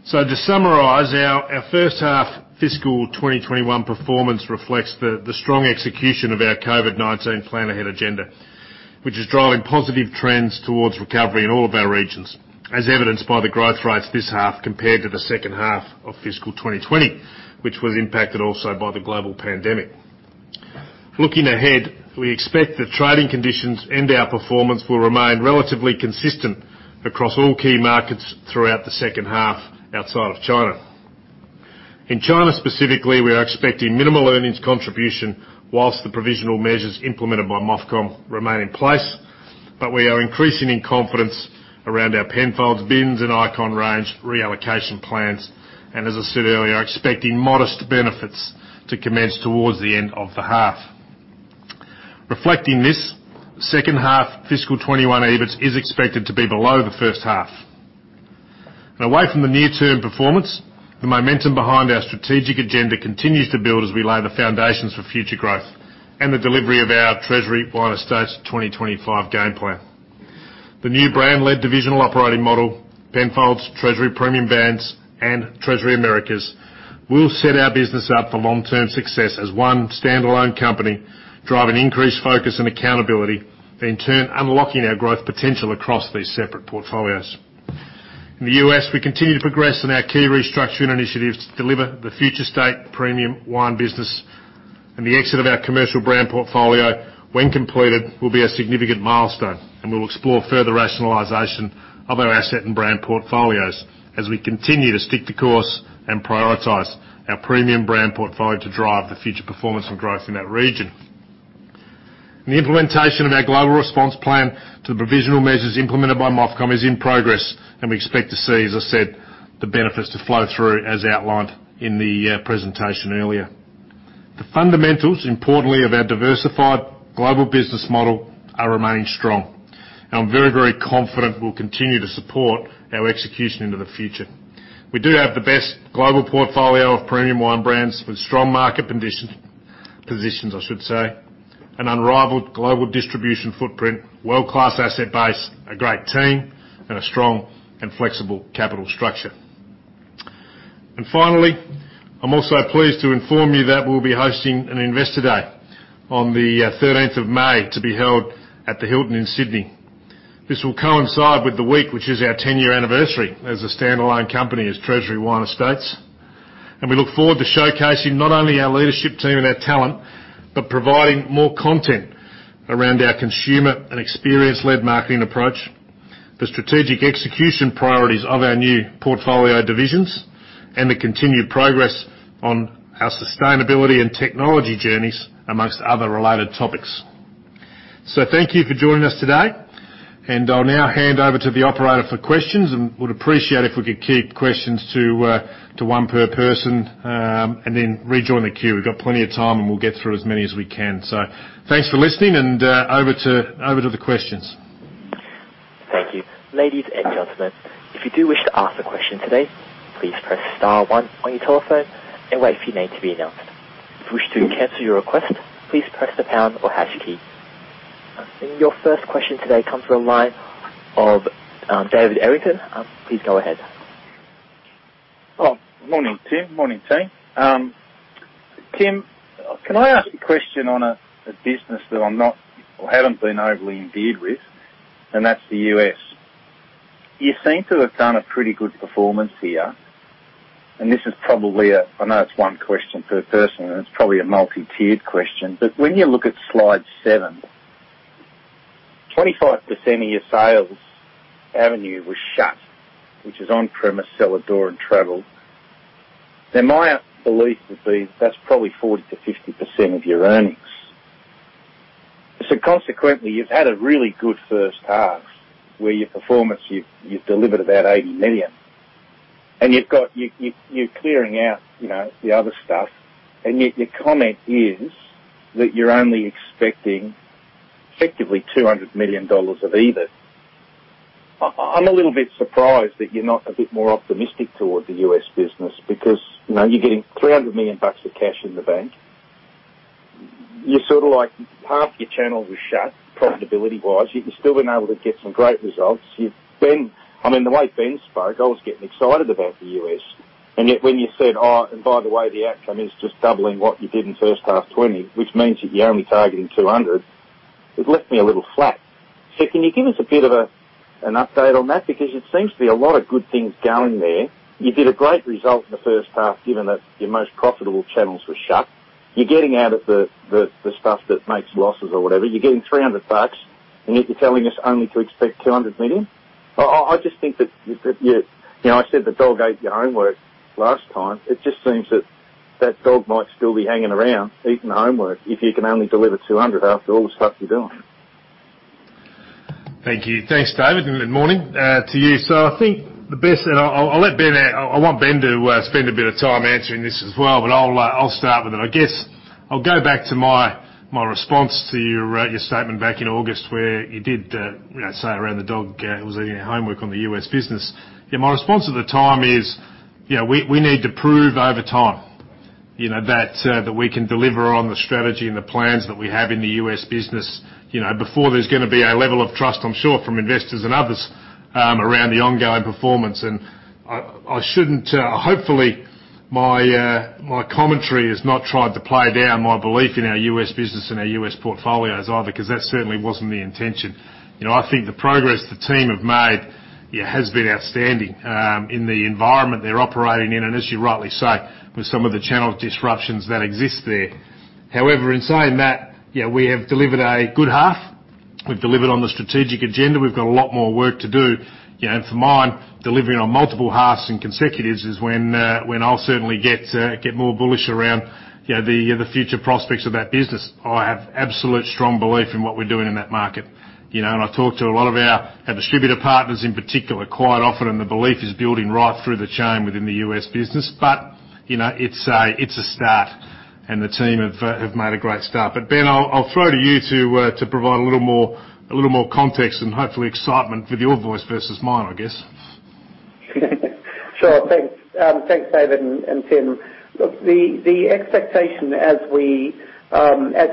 So, to summarize, our first half fiscal 2021 performance reflects the strong execution of our COVID-19 plan ahead agenda, which is driving positive trends towards recovery in all of our regions, as evidenced by the growth rates this half compared to the second half of fiscal 2020, which was impacted also by the global pandemic. Looking ahead, we expect the trading conditions and our performance will remain relatively consistent across all key markets throughout the second half outside of China. In China specifically, we are expecting minimal earnings contribution while the provisional measures implemented by MOFCOM remain in place, but we are increasing in confidence around our Penfolds, Wynns, and icon range reallocation plans. As I said earlier, expecting modest benefits to commence towards the end of the half. Reflecting this, second half fiscal 2021 EBITS is expected to be below the first half. Away from the near-term performance, the momentum behind our strategic agenda continues to build as we lay the foundations for future growth and the delivery of our Treasury Wine Estates 2025 game plan. The new brand-led divisional operating model, Penfolds, Treasury Premium Brands, and Treasury Americas will set our business up for long-term success as one standalone company, driving increased focus and accountability, in turn unlocking our growth potential across these separate portfolios. In the U.S., we continue to progress in our key restructuring initiatives to deliver the future state premium wine business, and the exit of our commercial brand portfolio, when completed, will be a significant milestone, and we'll explore further rationalization of our asset and brand portfolios as we continue to stick to course and prioritize our premium brand portfolio to drive the future performance and growth in that region. The implementation of our global response plan to the provisional measures implemented by MOFCOM is in progress, and we expect to see, as I said, the benefits to flow through as outlined in the presentation earlier. The fundamentals, importantly, of our diversified global business model are remaining strong, and I'm very, very confident we'll continue to support our execution into the future. We do have the best global portfolio of premium wine brands with strong market positions, I should say, an unrivaled global distribution footprint, world-class asset base, a great team, and a strong and flexible capital structure. And finally, I'm also pleased to inform you that we'll be hosting an Investor Day on the 13th of May to be held at the Hilton in Sydney. This will coincide with the week which is our 10-year anniversary as a standalone company as Treasury Wine Estates, and we look forward to showcasing not only our leadership team and our talent but providing more content around our consumer and experience-led marketing approach, the strategic execution priorities of our new portfolio divisions, and the continued progress on our sustainability and technology journeys among other related topics. Thank you for joining us today, and I'll now hand over to the operator for questions, and would appreciate it if we could keep questions to one per person and then rejoin the queue. We've got plenty of time, and we'll get through as many as we can. Thanks for listening, and over to the questions. Thank you. Ladies and gentlemen, if you do wish to ask a question today, please press star one on your telephone and wait for your name to be announced. If you wish to cancel your request, please press the pound or hash key. Your first question today comes from a line of David Errington. Please go ahead. Morning, Tim. Morning, team. Tim, can I ask a question on a business that I'm not or haven't been overly imbued with, and that's the U.S.? You seem to have done a pretty good performance here, and this is probably a. I know it's one question per person, and it's probably a multi-tiered question, but when you look at slide seven, 25% of your sales revenue was shut, which is on-premise, cellar door, and travel. Then my belief would be that's probably 40%-50% of your earnings. Consequently, you've had a really good first half where your performance, you've delivered about 80 million, and you're clearing out the other stuff, and yet your comment is that you're only expecting effectively 200 million dollars of EBIT. I'm a little bit surprised that you're not a bit more optimistic toward the U.S. business because you're getting 300 million bucks of cash in the bank. You're sort of like half your channels were shut profitability-wise. You've still been able to get some great results. I mean, the way Ben spoke, I was getting excited about the U.S., and yet when you said, "Oh, and by the way, the outcome is just doubling what you did in first half 2020," which means that you're only targeting 200, it left me a little flat. Can you give us a bit of an update on that? Because it seems to be a lot of good things going there. You did a great result in the first half given that your most profitable channels were shut. You're getting out of the stuff that makes losses or whatever. You're getting 300 bucks, and yet you're telling us only to expect 200 million. I just think that you. I said the dog ate your homework last time. It just seems that that dog might still be hanging around eating homework if you can only deliver 200 million after all the stuff you're doing. Thank you. Thanks, David, and good morning to you. So I think the best, and I'll let Ben out. I want Ben to spend a bit of time answering this as well, but I'll start with it. I guess I'll go back to my response to your statement back in August where you did say around the dog was eating homework on the U.S. business. Yeah, my response at the time is we need to prove over time that we can deliver on the strategy and the plans that we have in the U.S. business before there's going to be a level of trust, I'm sure, from investors and others around the ongoing performance. And I shouldn't. Hopefully, my commentary has not tried to play down my belief in our U.S. business and our U.S. portfolios either because that certainly wasn't the intention. I think the progress the team have made has been outstanding in the environment they're operating in, and as you rightly say, with some of the channel disruptions that exist there. However, in saying that, we have delivered a good half. We've delivered on the strategic agenda. We've got a lot more work to do. And for mine, delivering on multiple halves and consecutives is when I'll certainly get more bullish around the future prospects of that business. I have absolute strong belief in what we're doing in that market, and I talk to a lot of our distributor partners in particular quite often, and the belief is building right through the chain within the U.S. business. But it's a start, and the team have made a great start. But Ben, I'll throw to you to provide a little more context and hopefully excitement for your voice versus mine, I guess. Sure. Thanks, David and Tim. Look, the expectation as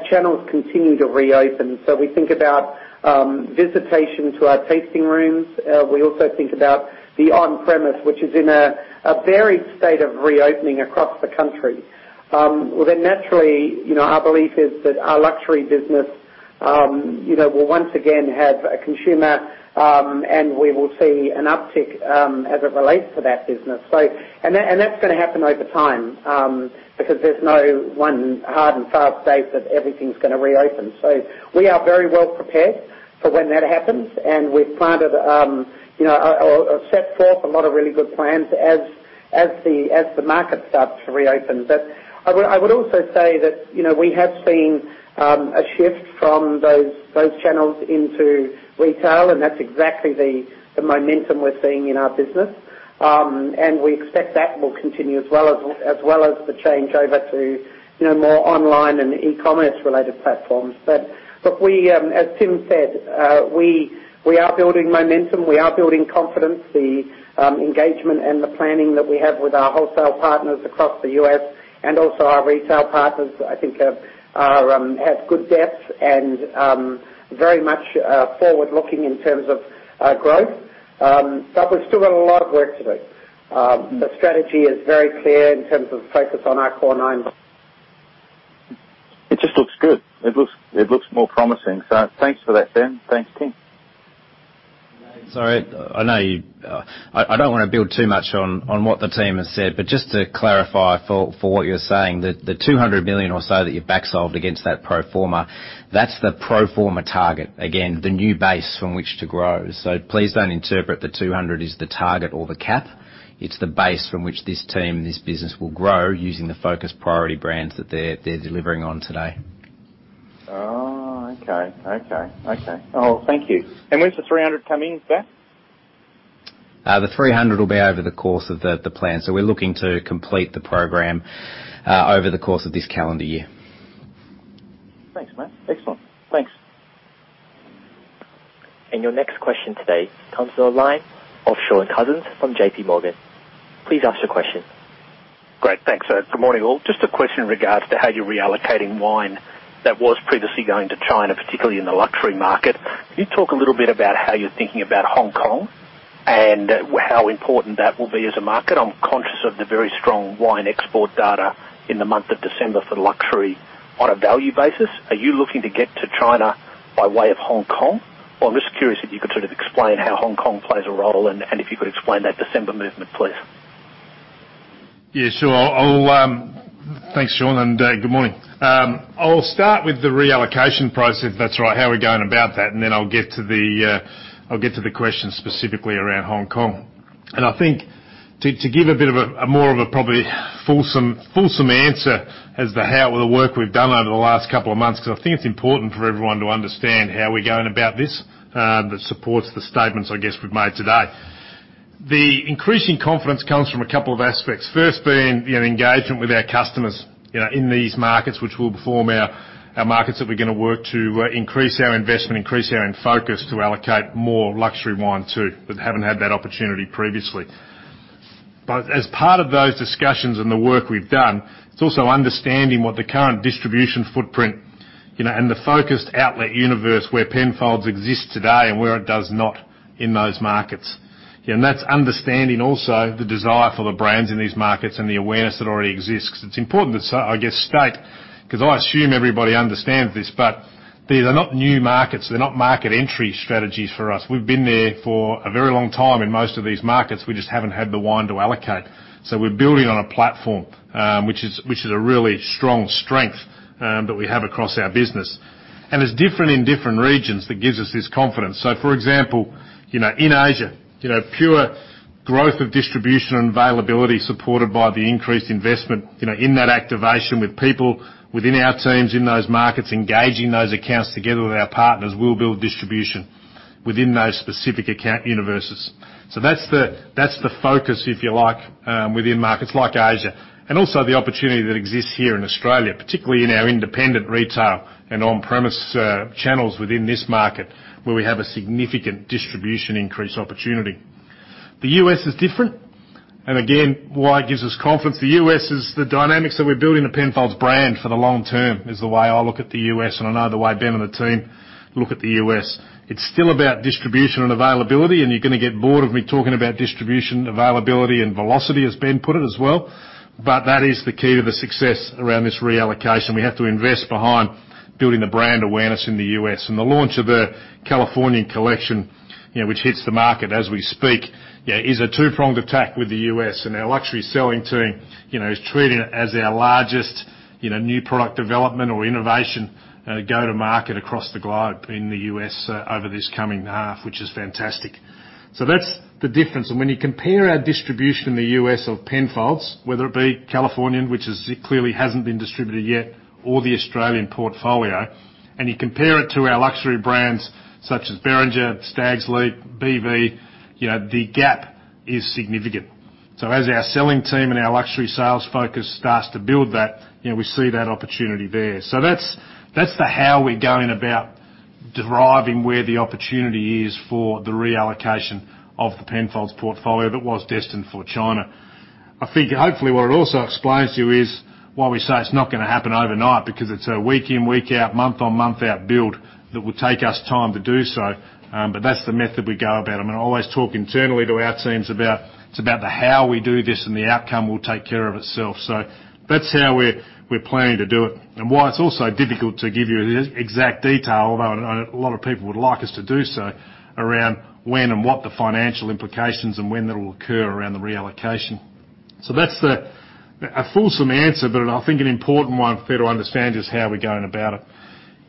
channels continue to reopen, so we think about visitation to our tasting rooms. We also think about the on-premise, which is in a varied state of reopening across the country. Then naturally, our belief is that our luxury business will once again have a consumer, and we will see an uptick as it relates to that business. That's going to happen over time because there's no one hard and fast date that everything's going to reopen. We are very well prepared for when that happens, and we've planted or set forth a lot of really good plans as the market starts to reopen. I would also say that we have seen a shift from those channels into retail, and that's exactly the momentum we're seeing in our business, and we expect that will continue as well as the change over to more online and e-commerce-related platforms. As Tim said, we are building momentum. We are building confidence. The engagement and the planning that we have with our wholesale partners across the U.S. and also our retail partners, I think, have good depth and very much forward-looking in terms of growth. But we've still got a lot of work to do. The strategy is very clear in terms of focus on our core nine. It just looks good. It looks more promising. So thanks for that, Ben. Thanks, Tim. Sorry. I know you—I don't want to build too much on what the team has said, but just to clarify for what you're saying, the 200 million or so that you've back-sold against that pro forma, that's the pro forma target, again, the new base from which to grow. So please don't interpret the 200 million as the target or the cap. It's the base from which this team and this business will grow using the focus priority brands that they're delivering on today. Okay. Okay. Okay. Oh, thank you. And when's the 300 million coming back? The 300 million will be over the course of the plan. So we're looking to complete the program over the course of this calendar year. Thanks, Matt. Excellent. Thanks. And your next question today comes online from offshore, and Shaun Cousins from JPMorgan. Please ask your question. Great. Thanks. Good morning, all. Just a question in regards to how you're reallocating wine that was previously going to China, particularly in the luxury market. Can you talk a little bit about how you're thinking about Hong Kong and how important that will be as a market? I'm conscious of the very strong wine export data in the month of December for luxury on a value basis. Are you looking to get to China by way of Hong Kong? I'm just curious if you could sort of explain how Hong Kong plays a role and if you could explain that December movement, please. Yeah. Sure. Thanks, Shaun. And good morning. I'll start with the reallocation process. That's right. How we're going about that, and then I'll get to the questions specifically around Hong Kong. And I think to give a bit more of a probably fulsome answer as to how the work we've done over the last couple of months, because I think it's important for everyone to understand how we're going about this that supports the statements, I guess, we've made today. The increasing confidence comes from a couple of aspects. First, being engagement with our customers in these markets, which will inform our markets that we're going to work to increase our investment, increase our focus to allocate more luxury wine to markets that haven't had that opportunity previously. But as part of those discussions and the work we've done, it's also understanding what the current distribution footprint and the focused outlet universe where Penfolds exists today and where it does not in those markets. And that's understanding also the desire for the brands in these markets and the awareness that already exists. It's important to, I guess, state because I assume everybody understands this, but these are not new markets. They're not market entry strategies for us. We've been there for a very long time in most of these markets. We just haven't had the wine to allocate. So we're building on a platform, which is a really strong strength that we have across our business. And it's different in different regions that gives us this confidence. So for example, in Asia, pure growth of distribution and availability supported by the increased investment in that activation with people within our teams in those markets engaging those accounts together with our partners will build distribution within those specific account universes. So that's the focus, if you like, within markets like Asia. And also the opportunity that exists here in Australia, particularly in our independent retail and on-premise channels within this market where we have a significant distribution increase opportunity. The U.S. is different. And again, why it gives us confidence. The U.S. is the dynamics that we're building the Penfolds brand for the long term is the way I look at the U.S., and I know the way Ben and the team look at the U.S. It's still about distribution and availability, and you're going to get bored of me talking about distribution, availability, and velocity, as Ben put it as well, but that is the key to the success around this reallocation. We have to invest behind building the brand awareness in the U.S., and the launch of the California Collection, which hits the market as we speak, is a two-pronged attack with the U.S., and our luxury selling team is treating it as our largest new product development or innovation go to market across the globe in the U.S. over this coming half, which is fantastic, so that's the difference. And when you compare our distribution in the U.S. of Penfolds, whether it be Californian, which clearly hasn't been distributed yet, or the Australian portfolio, and you compare it to our luxury brands such as Beringer, Stags' Leap, BV, the gap is significant. So as our selling team and our luxury sales focus starts to build that, we see that opportunity there. So that's the how we're going about deriving where the opportunity is for the reallocation of the Penfolds portfolio that was destined for China. I think hopefully what it also explains to you is why we say it's not going to happen overnight because it's a week in, week out, month on, month out build that will take us time to do so. But that's the method we go about. I mean, I always talk internally to our teams about it's about the how we do this and the outcome will take care of itself. So that's how we're planning to do it and why it's also difficult to give you exact detail, although a lot of people would like us to do so, around when and what the financial implications and when that will occur around the reallocation so that's a fulsome answer, but I think an important one for you to understand is how we're going about it.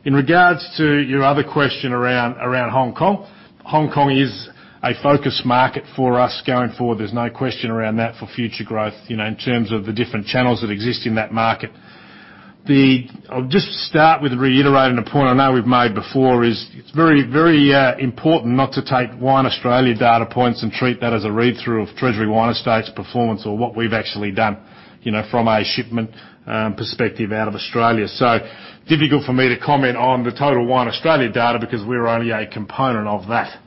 In regards to your other question around Hong Kong, Hong Kong is a focus market for us going forward. There's no question around that for future growth in terms of the different channels that exist in that market. I'll just start with reiterating a point I know we've made before is it's very important not to take Wine Australia data points and treat that as a read-through of Treasury Wine Estates' performance or what we've actually done from a shipment perspective out of Australia. So difficult for me to comment on the Total Wine Australia data because we're only a component of that.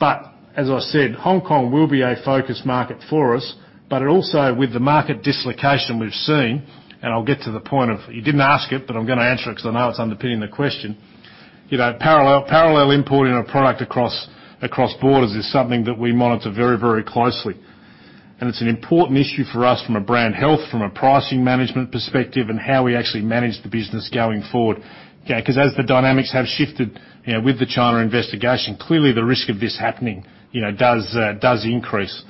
But as I said, Hong Kong will be a focus market for us, but also with the market dislocation we've seen, and I'll get to the point of you didn't ask it, but I'm going to answer it because I know it's underpinning the question. Parallel importing of product across borders is something that we monitor very, very closely. And it's an important issue for us from a brand health, from a pricing management perspective, and how we actually manage the business going forward. Because as the dynamics have shifted with the China investigation, clearly the risk of this happening does increase.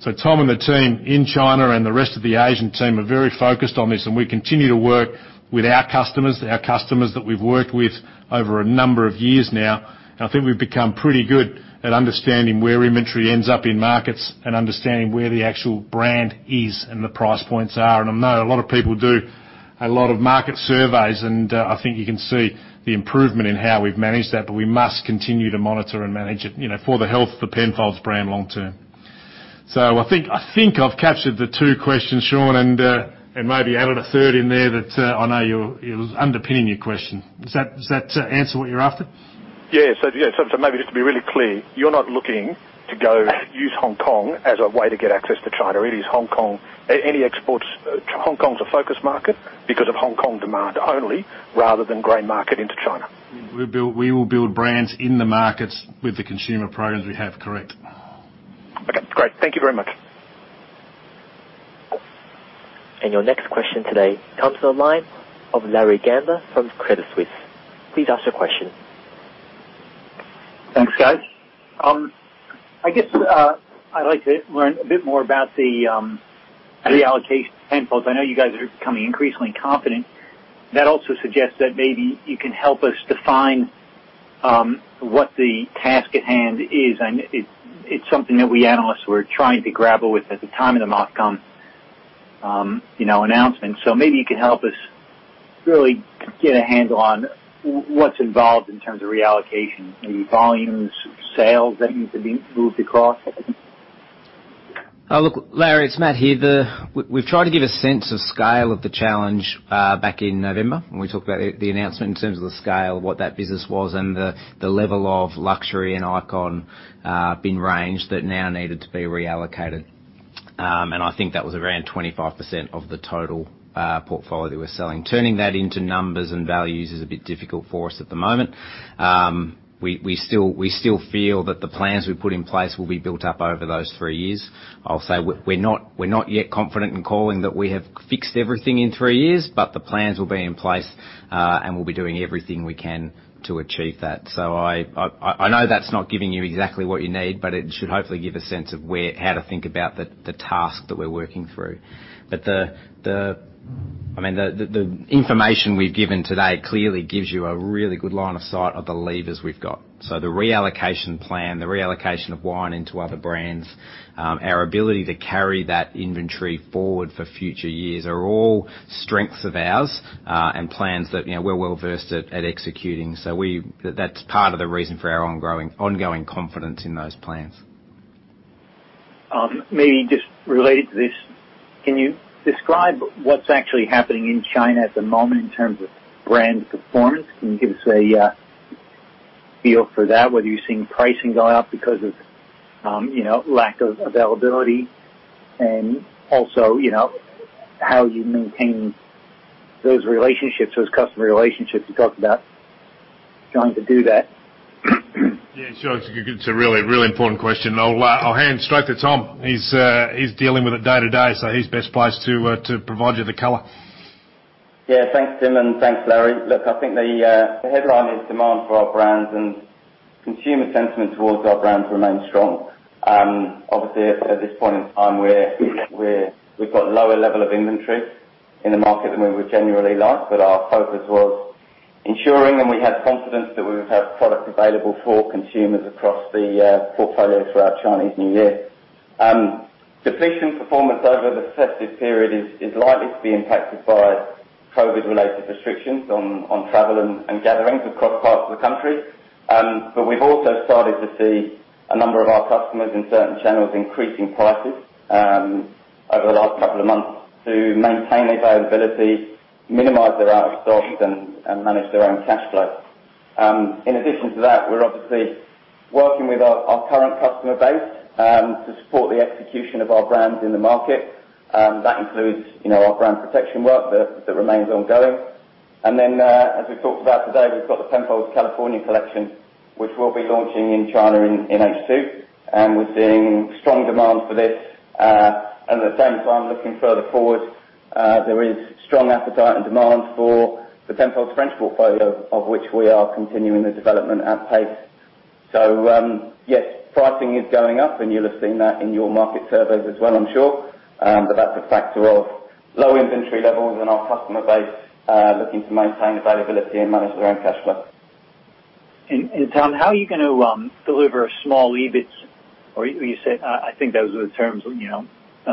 So Tom and the team in China and the rest of the Asian team are very focused on this, and we continue to work with our customers, our customers that we've worked with over a number of years now. And I think we've become pretty good at understanding where inventory ends up in markets and understanding where the actual brand is and the price points are. And I know a lot of people do a lot of market surveys, and I think you can see the improvement in how we've managed that, but we must continue to monitor and manage it for the health of the Penfolds brand long term. So I think I've captured the two questions, Shaun, and maybe added a third in there that I know you're underpinning your question. Does that answer what you're after? Yeah. So maybe just to be really clear, you're not looking to use Hong Kong as a way to get access to China. It is Hong Kong. Hong Kong's a focus market because of Hong Kong demand only rather than gray market into China. We will build brands in the markets with the consumer programs we have. Correct. Okay. Great. Thank you very much. And your next question today comes online of Larry Gandler from Credit Suisse. Please ask your question. Thanks. <audio distortion> I guess I'd like to learn a bit more about the reallocation of Penfolds. I know you guys are becoming increasingly confident. That also suggests that maybe you can help us define what the task at hand is. It's something that we analysts were trying to grapple with at the time of the market announcement. So maybe you can help us really get a handle on what's involved in terms of reallocation, maybe volumes, sales that need to be moved across. Larry, it's Matty here. We've tried to give a sense of scale of the challenge back in November. We talked about the announcement in terms of the scale of what that business was and the level of luxury and iconic brands that now needed to be reallocated. And I think that was around 25% of the total portfolio that we're selling. Turning that into numbers and values is a bit difficult for us at the moment. We still feel that the plans we put in place will be built up over those three years. I'll say we're not yet confident in calling that we have fixed everything in three years, but the plans will be in place, and we'll be doing everything we can to achieve that. So I know that's not giving you exactly what you need, but it should hopefully give a sense of how to think about the task that we're working through. But I mean, the information we've given today clearly gives you a really good line of sight of the levers we've got. So the reallocation plan, the reallocation of wine into other brands, our ability to carry that inventory forward for future years are all strengths of ours and plans that we're well versed at executing. So that's part of the reason for our ongoing confidence in those plans. Maybe just related to this, can you describe what's actually happening in China at the moment in terms of brand performance? Can you give us a feel for that, whether you're seeing pricing go up because of lack of availability and also how you maintain those relationships, those customer relationships you talked about trying to do that? Yeah. It's a really, really important question. I'll hand straight to Tom. He's dealing with it day to day, so he's best placed to provide you the color. Yeah. Thanks, Tim, and thanks, Larry. Look, I think the headline is demand for our brands and consumer sentiment towards our brands remains strong. Obviously, at this point in time, we've got a lower level of inventory in the market than we would generally like, but our focus was ensuring and we had confidence that we would have product available for consumers across the portfolio throughout Chinese New Year. Demand performance over the subsequent period is likely to be impacted by COVID-related restrictions on travel and gatherings across parts of the country. But we've also started to see a number of our customers in certain channels increasing prices over the last couple of months to maintain availability, minimize their out-of-stock, and manage their own cash flow. In addition to that, we're obviously working with our current customer base to support the execution of our brands in the market. That includes our brand protection work that remains ongoing. And then as we talked about today, we've got the Penfolds California Collection, which we'll be launching in China in H2. And we're seeing strong demand for this. And at the same time, looking further forward, there is strong appetite and demand for the Penfolds French portfolio, of which we are continuing the development at pace. So yes, pricing is going up, and you'll have seen that in your market surveys as well, I'm sure. But that's a factor of low inventory levels and our customer base looking to maintain availability and manage their own cash flow. And Tom, how are you going to deliver small EBITS? Or you said, I think those were the terms,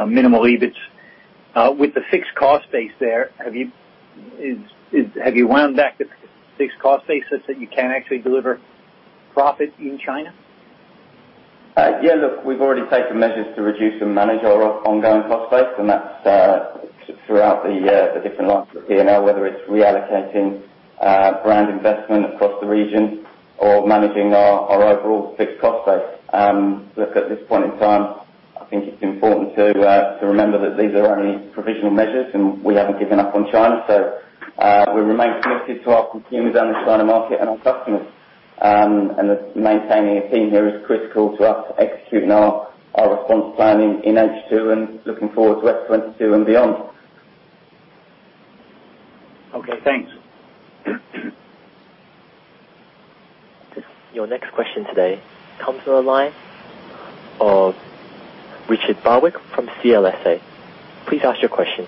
minimal EBITS. With the fixed cost base there, have you wound back the fixed cost base such that you can actually deliver profit in China. Yeah. Look, we've already taken measures to reduce and manage our ongoing cost base, and that's throughout the different lines of P&L, whether it's reallocating brand investment across the region or managing our overall fixed cost base. Look, at this point in time, I think it's important to remember that these are only provisional measures, and we haven't given up on China. So we remain committed to our consumers and the China market and our customers. And maintaining a team here is critical to us executing our response plan in H2 and looking forward to F 2022 and beyond. Okay. Thanks. Your next question today comes online from Richard Barwick from CLSA. Please ask your question.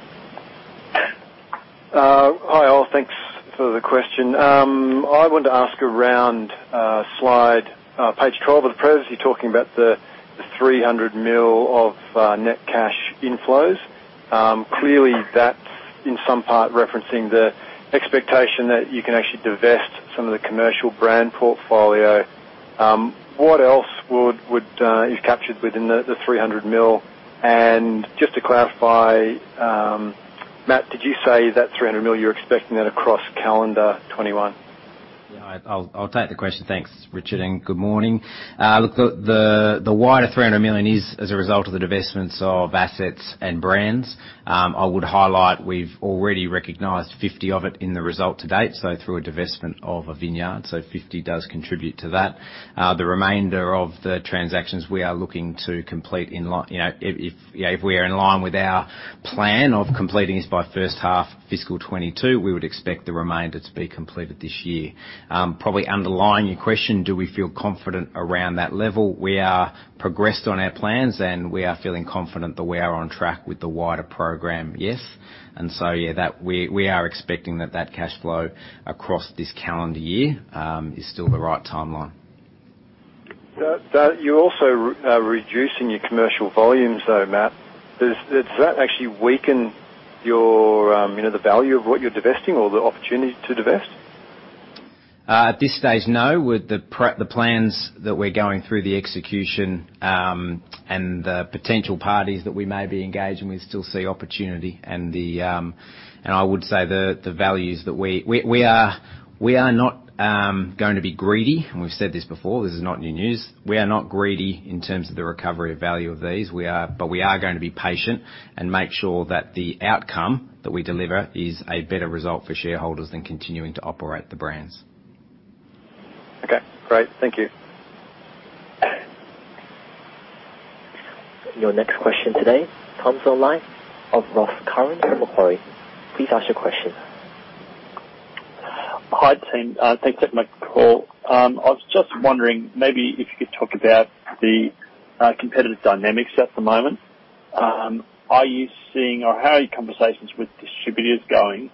Hi all. Thanks for the question. I want to ask around slide page 12 of the previously talking about the 300 million of net cash inflows. Clearly, that's in some part referencing the expectation that you can actually divest some of the commercial brand portfolio. What else is captured within the 300 million? And just to clarify, Matt, did you say that 300 million you're expecting that across calendar 2021? Yeah. I'll take the question. Thanks, Richard, and good morning. Look, the wider 300 million is as a result of the divestments of assets and brands. I would highlight we've already recognized 50 million of it in the result to date, so through a divestment of a vineyard. So 50 million does contribute to that. The remainder of the transactions we are looking to complete in line, if we are in line with our plan of completing this by first half of fiscal 2022, we would expect the remainder to be completed this year. Probably underlying your question, do we feel confident around that level? We are progressed on our plans, and we are feeling confident that we are on track with the wider program, yes. And so yeah, we are expecting that that cash flow across this calendar year is still the right timeline. You're also reducing your commercial volumes, though, Matt. Does that actually weaken the value of what you're divesting or the opportunity to divest? At this stage, no. With the plans that we're going through, the execution, and the potential parties that we may be engaging with, still see opportunity. And I would say the values that we are not going to be greedy, and we've said this before. This is not new news. We are not greedy in terms of the recovery of value of these, but we are going to be patient and make sure that the outcome that we deliver is a better result for shareholders than continuing to operate the brands. Okay. Great. Thank you. Your next question today from Ross Curran from Macquarie. Please ask your question. Hi, Tim. Thanks for taking my call. I was just wondering maybe if you could talk about the competitive dynamics at the moment. Are you seeing or how are your conversations with distributors going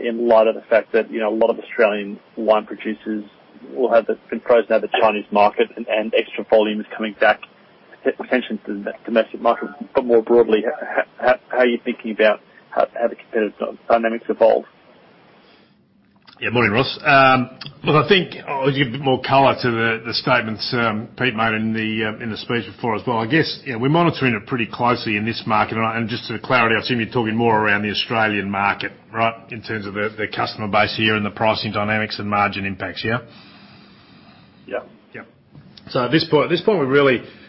in light of the fact that a lot of Australian wine producers will have been frozen out of the Chinese market and extra volume is coming back, potentially to the domestic market, but more broadly, how are you thinking about how the competitive dynamics evolve? Yeah. Morning, Ross. Look, I think I'll give a bit more color to the statements Pete made in the speech before as well. I guess we're monitoring it pretty closely in this market. And just to the clarity, I've seen you talking more around the Australian market, right, in terms of the customer base here and the pricing dynamics and margin impacts, yeah? Yeah. Yeah. So at this point,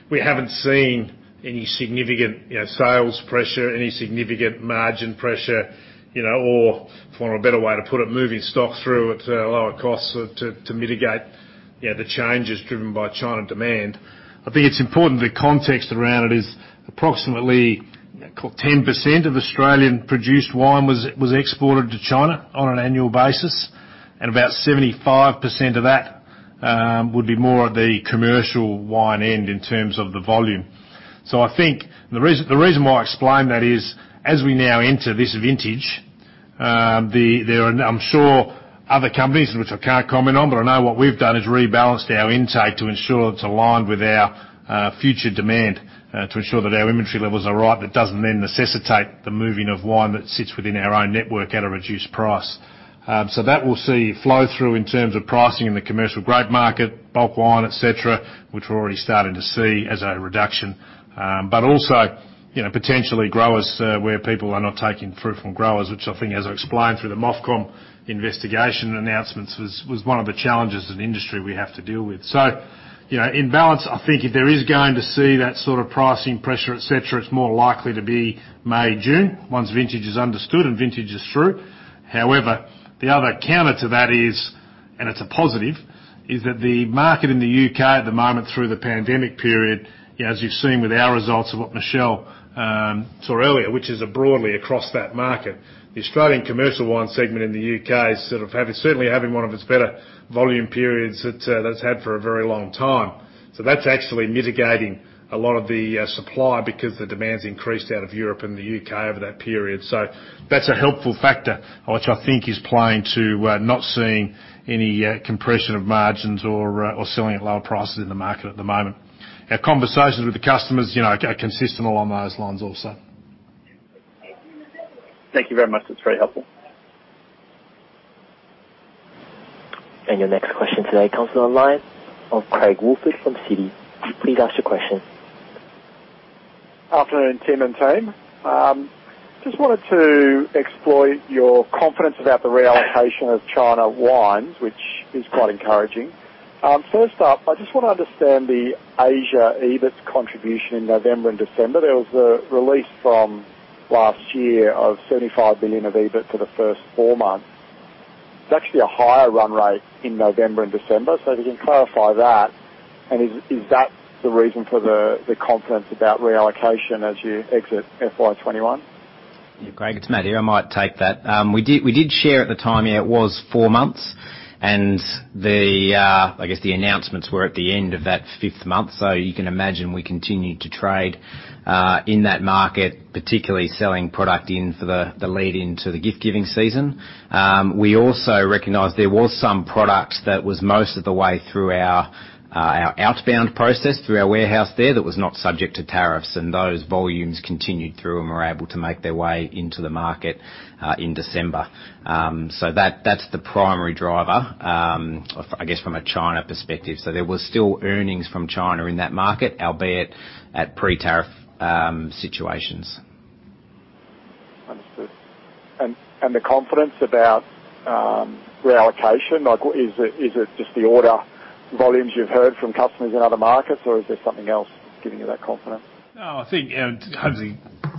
we haven't seen any significant sales pressure, any significant margin pressure, or for a better way to put it, moving stocks through at lower costs to mitigate the changes driven by China demand. I think it's important the context around it is approximately 10% of Australian-produced wine was exported to China on an annual basis, and about 75% of that would be more at the commercial wine end in terms of the volume. So I think the reason why I explain that is as we now enter this vintage. I'm sure other companies, which I can't comment on, but I know what we've done is rebalanced our intake to ensure it's aligned with our future demand to ensure that our inventory levels are right. That doesn't then necessitate the moving of wine that sits within our own network at a reduced price. So that will see flow through in terms of pricing in the commercial grape market, bulk wine, etc., which we're already starting to see as a reduction. But also potentially growers where people are not taking fruit from growers, which I think, as I explained through the MOFCOM investigation announcements, was one of the challenges in industry we have to deal with. So in balance, I think if there is going to see that sort of pricing pressure, etc., it's more likely to be May, June, once vintage is understood and vintage is through. However, the other counter to that is, and it's a positive, is that the market in the U.K. at the moment through the pandemic period, as you've seen with our results of what Michelle saw earlier, which is broadly across that market, the Australian commercial wine segment in the U.K. is certainly having one of its better volume periods that it's had for a very long time. So that's actually mitigating a lot of the supply because the demand's increased out of Europe and the U.K. over that period. So that's a helpful factor, which I think is playing to not seeing any compression of margins or selling at lower prices in the market at the moment. Our conversations with the customers are consistent along those lines also. Thank you very much. That's very helpful. And your next question today comes from Craig Woolford from Citi. Please ask your question. Afternoon, Tim and Team. Just wanted to explore your confidence about the reallocation of China wines, which is quite encouraging. First up, I just want to understand the Asia EBIT contribution in November and December. There was the release from last year of 75 million of EBIT for the first four months. It's actually a higher run rate in November and December. So if you can clarify that, and is that the reason for the confidence about reallocation as you exit FY 2021? Yeah. Craig, it's Matt here. I might take that. We did share at the time, yeah, it was four months, and I guess the announcements were at the end of that fifth month. So you can imagine we continued to trade in that market, particularly selling product in for the lead-in to the gift-giving season. We also recognized there was some product that was most of the way through our outbound process through our warehouse there that was not subject to tariffs, and those volumes continued through and were able to make their way into the market in December. So that's the primary driver, I guess, from a China perspective. So there were still earnings from China in that market, albeit at pre-tariff situations. Understood. And the confidence about reallocation, is it just the order volumes you've heard from customers in other markets, or is there something else giving you that confidence? No. I think it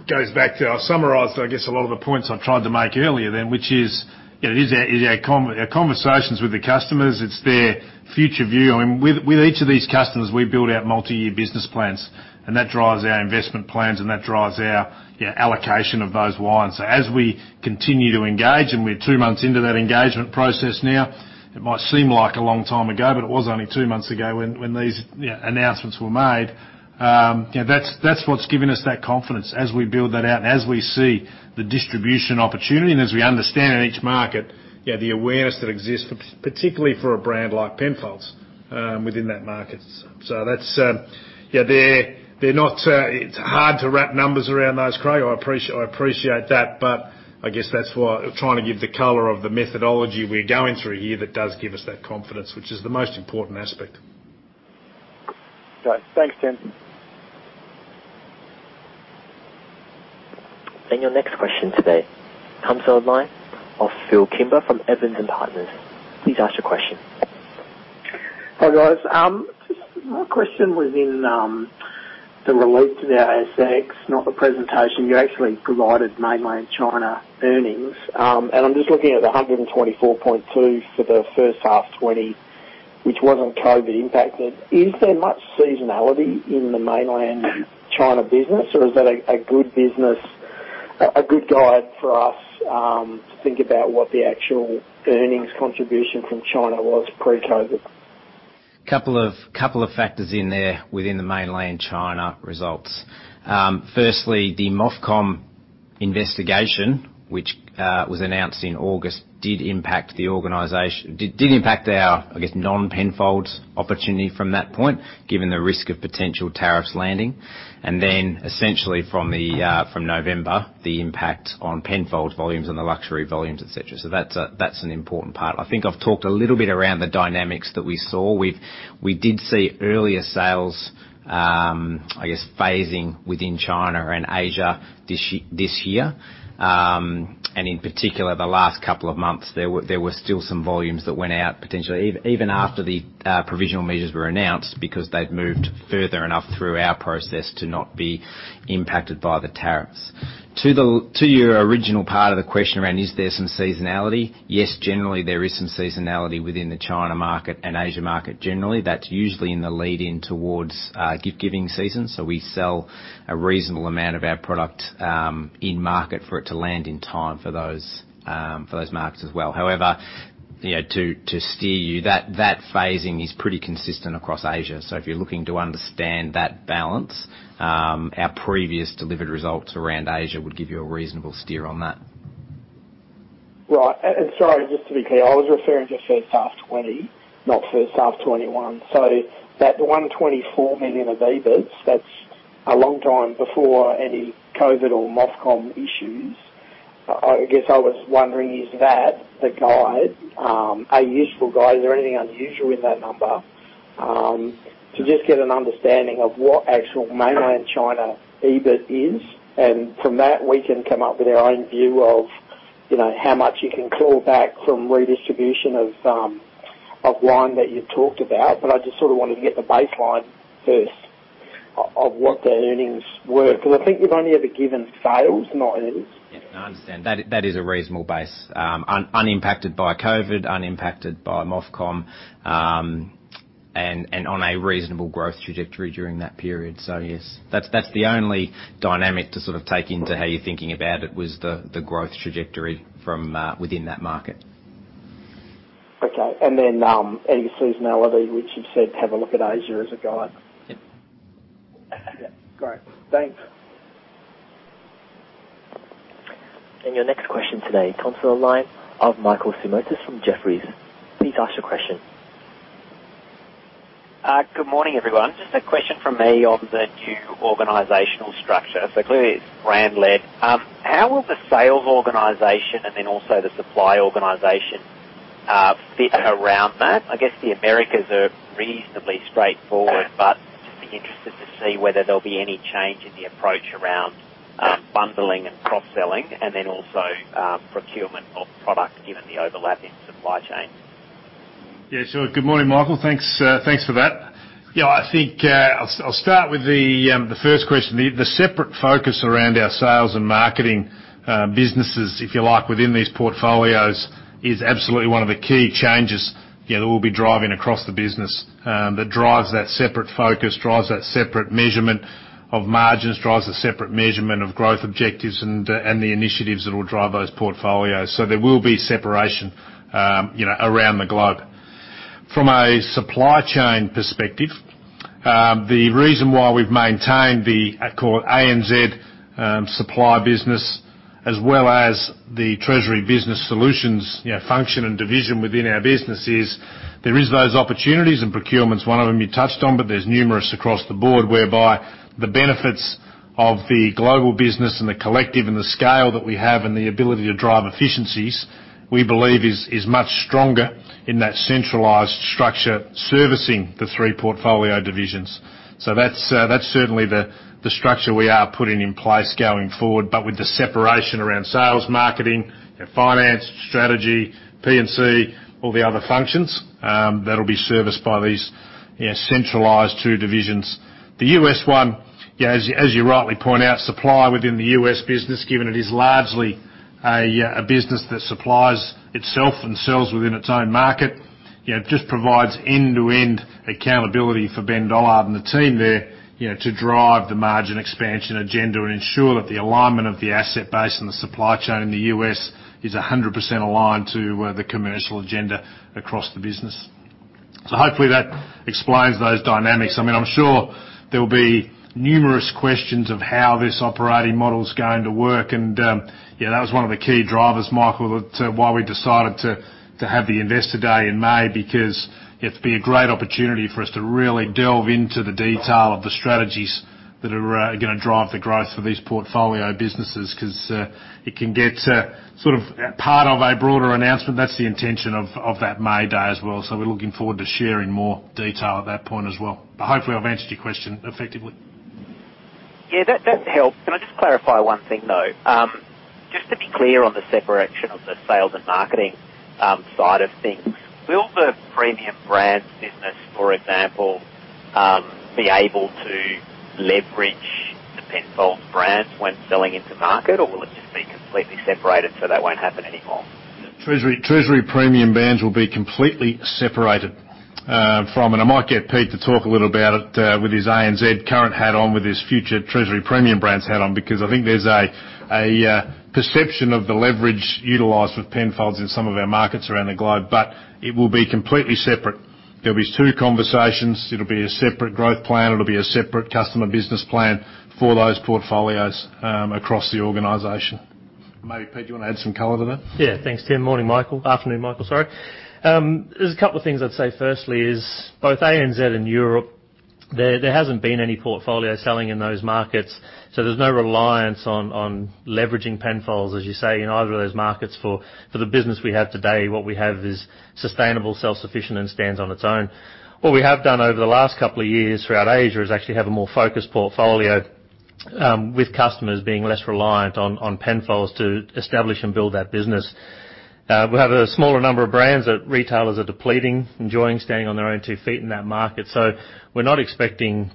goes back to I've summarized, I guess, a lot of the points I tried to make earlier then, which is our conversations with the customers. It's their future view. With each of these customers, we build out multi-year business plans, and that drives our investment plans, and that drives our allocation of those wines. So as we continue to engage, and we're two months into that engagement process now, it might seem like a long time ago, but it was only two months ago when these announcements were made. That's what's giving us that confidence as we build that out and as we see the distribution opportunity and as we understand in each market the awareness that exists, particularly for a brand like Penfolds within that market. So they're not hard to wrap numbers around those, Craig. I appreciate that, but I guess that's why I'm trying to give the color of the methodology we're going through here that does give us that confidence, which is the most important aspect. Okay. Thanks, Tim. And your next question today comes online from Phil Kimber from Evans & Partners. Please ask your question. Hi, guys. My question was related to the ASX, not the presentation. You actually provided mainland China earnings, and I'm just looking at the 124.2 million for the first half 2020, which wasn't COVID impacted. Is there much seasonality in the mainland China business, or is that a good guide for us to think about what the actual earnings contribution from China was pre-COVID? A couple of factors in there within the mainland China results. Firstly, the MOFCOM investigation, which was announced in August, did impact our, I guess, non-Penfolds opportunity from that point, given the risk of potential tariffs landing. And then essentially from November, the impact on Penfolds volumes and the luxury volumes, etc. So that's an important part. I think I've talked a little bit around the dynamics that we saw. We did see earlier sales, I guess, phasing within China and Asia this year, and in particular, the last couple of months, there were still some volumes that went out potentially even after the provisional measures were announced because they'd moved further enough through our process to not be impacted by the tariffs. To your original part of the question around, is there some seasonality? Yes, generally there is some seasonality within the China market and Asia market generally. That's usually in the lead-in towards gift-giving season, so we sell a reasonable amount of our product in market for it to land in time for those markets as well. However, to steer you, that phasing is pretty consistent across Asia. So if you're looking to understand that balance, our previous delivered results around Asia would give you a reasonable steer on that. Right. And sorry, just to be clear, I was referring to first half 2020, not first half 2021. So that 124 million of EBITS, that's a long time before any COVID or MOFCOM issues. I guess I was wondering, is that a useful guide? Is there anything unusual in that number? To just get an understanding of what actual mainland China EBIT is, and from that, we can come up with our own view of how much you can claw back from redistribution of wine that you've talked about. But I just sort of wanted to get the baseline first of what the earnings were. Because I think you've only ever given sales, not earnings. Yeah. No, I understand. That is a reasonable base, unimpacted by COVID, unimpacted by MOFCOM, and on a reasonable growth trajectory during that period. So yes, that's the only dynamic to sort of take into how you're thinking about it was the growth trajectory from within that market. Okay. And then any seasonality, which you've said, have a look at Asia as a guide. Yeah. Great. Thanks. And your next question today, comes from the line of Michael Simotas from Jefferies. Please ask your question. Good morning, everyone. Just a question from me on the new organizational structure. So clearly, it's brand-led. How will the sales organization and then also the supply organization fit around that? I guess the Americas are reasonably straightforward, but just be interested to see whether there'll be any change in the approach around bundling and cross-selling and then also procurement of product given the overlap in supply chain. Yeah. Sure. Good morning, Michael. Thanks for that. Yeah. I think I'll start with the first question. The separate focus around our sales and marketing businesses, if you like, within these portfolios is absolutely one of the key changes that we'll be driving across the business that drives that separate focus, drives the separate measurement of margins, drives the separate measurement of growth objectives and the initiatives that will drive those portfolios. So there will be separation around the globe. From a supply chain perspective, the reason why we've maintained the ANZ supply business as well as the Treasury Business Solutions function and division within our business is there are those opportunities and procurements, one of them you touched on, but there's numerous across the board whereby the benefits of the global business and the collective and the scale that we have and the ability to drive efficiencies, we believe, is much stronger in that centralized structure servicing the three portfolio divisions. So that's certainly the structure we are putting in place going forward, but with the separation around sales, marketing, finance, strategy, P&C, all the other functions that'll be serviced by these centralized two divisions. The U.S. one, as you rightly point out, supply within the U.S. business, given it is largely a business that supplies itself and sells within its own market, just provides end-to-end accountability for Ben Dollard and the team there to drive the margin expansion agenda and ensure that the alignment of the asset base and the supply chain in the U.S. is 100% aligned to the commercial agenda across the business. So hopefully that explains those dynamics. I mean, I'm sure there will be numerous questions of how this operating model is going to work. And yeah, that was one of the key drivers, Michael. That's why we decided to have the investor day in May because it'd be a great opportunity for us to really delve into the detail of the strategies that are going to drive the growth for these portfolio businesses because it can get sort of part of a broader announcement. That's the intention of that May day as well. So we're looking forward to sharing more detail at that point as well. But hopefully I've answered your question effectively. Yeah. That helps. Can I just clarify one thing though? Just to be clear on the separation of the sales and marketing side of things, will the premium brands business, for example, be able to leverage the Penfolds brands when selling into market, or will it just be completely separated so that won't happen anymore? Treasury Premium Brands will be completely separated from it. I might get Pete to talk a little about it with his ANZ current hat on, with his future Treasury Premium Brands hat on, because I think there's a perception of the leverage utilized with Penfolds in some of our markets around the globe, but it will be completely separate. There'll be two conversations. It'll be a separate growth plan. It'll be a separate customer business plan for those portfolios across the organization. Maybe Pete, do you want to add some color to that? Yeah. Thanks, Tim. Morning, Michael. Afternoon, Michael. Sorry. There's a couple of things I'd say. Firstly is both ANZ and Europe, there hasn't been any portfolio selling in those markets. So there's no reliance on leveraging Penfolds, as you say, in either of those markets for the business we have today. What we have is sustainable, self-sufficient, and stands on its own. What we have done over the last couple of years throughout Asia is actually have a more focused portfolio with customers being less reliant on Penfolds to establish and build that business. We have a smaller number of brands that retailers are depleting, enjoying standing on their own two feet in that market. So we're not expecting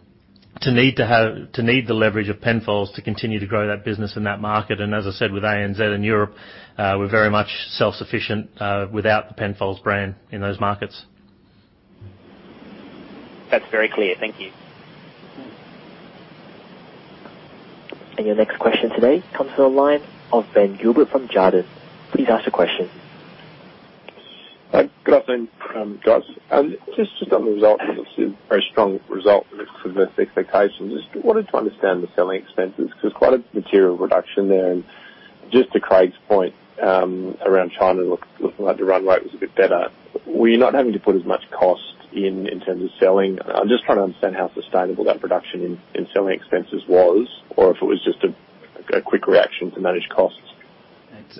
to need the leverage of Penfolds to continue to grow that business in that market. And as I said, with ANZ and Europe, we're very much self-sufficient without the Penfolds brand in those markets. That's very clear. Thank you. And your next question today from Ben Gilbert from Jarden. Please ask your question. Good afternoon, guys. Just on the results, it's a very strong result for this expectation. Just wanted to understand the selling expenses because there's quite a material reduction there, and just to Craig's point around China, looking like the runway was a bit better. Were you not having to put as much cost in terms of selling? I'm just trying to understand how sustainable that reduction in selling expenses was, or if it was just a quick reaction to manage costs.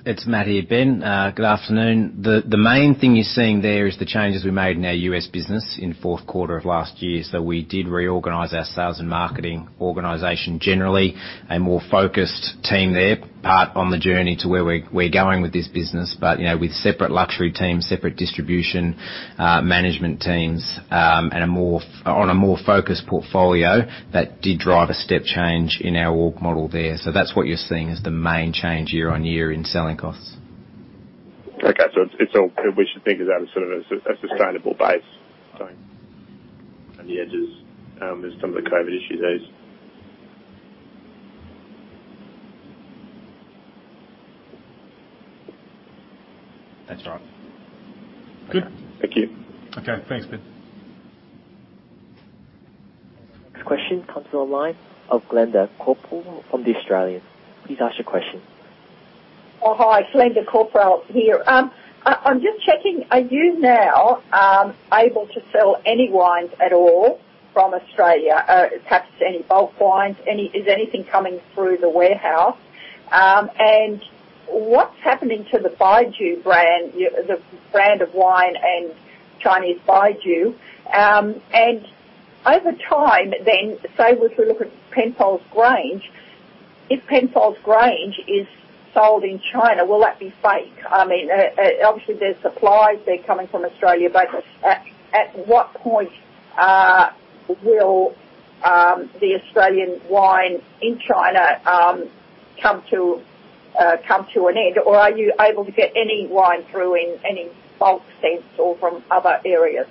It's Matty again. Good afternoon. The main thing you're seeing there is the changes we made in our U.S. business in the fourth quarter of last year. So we did reorganize our sales and marketing organization generally, a more focused team there, part on the journey to where we're going with this business, but with separate luxury teams, separate distribution management teams, and on a more focused portfolio that did drive a step change in our org model there. So that's what you're seeing as the main change year on year in selling costs. Okay. So we should think of that as sort of a sustainable base. And the edges is some of the COVID issues those. That's right. Good. Thank you. Okay. Thanks, Ben. Next question from Glenda Korporaal from The Australian. Please ask your question. Hi, Glenda Korporaal here. I'm just checking. Are you now able to sell any wines at all from Australia? Perhaps any bulk wines? Is anything coming through the warehouse? And what's happening to the Baijiu brand, the brand of wine and Chinese Baijiu? And over time then, say if we look at Penfolds Grange, if Penfolds Grange is sold in China, will that be fake? I mean, obviously there's supplies that are coming from Australia, but at what point will the Australian wine in China come to an end, or are you able to get any wine through in any bulk sense or from other areas?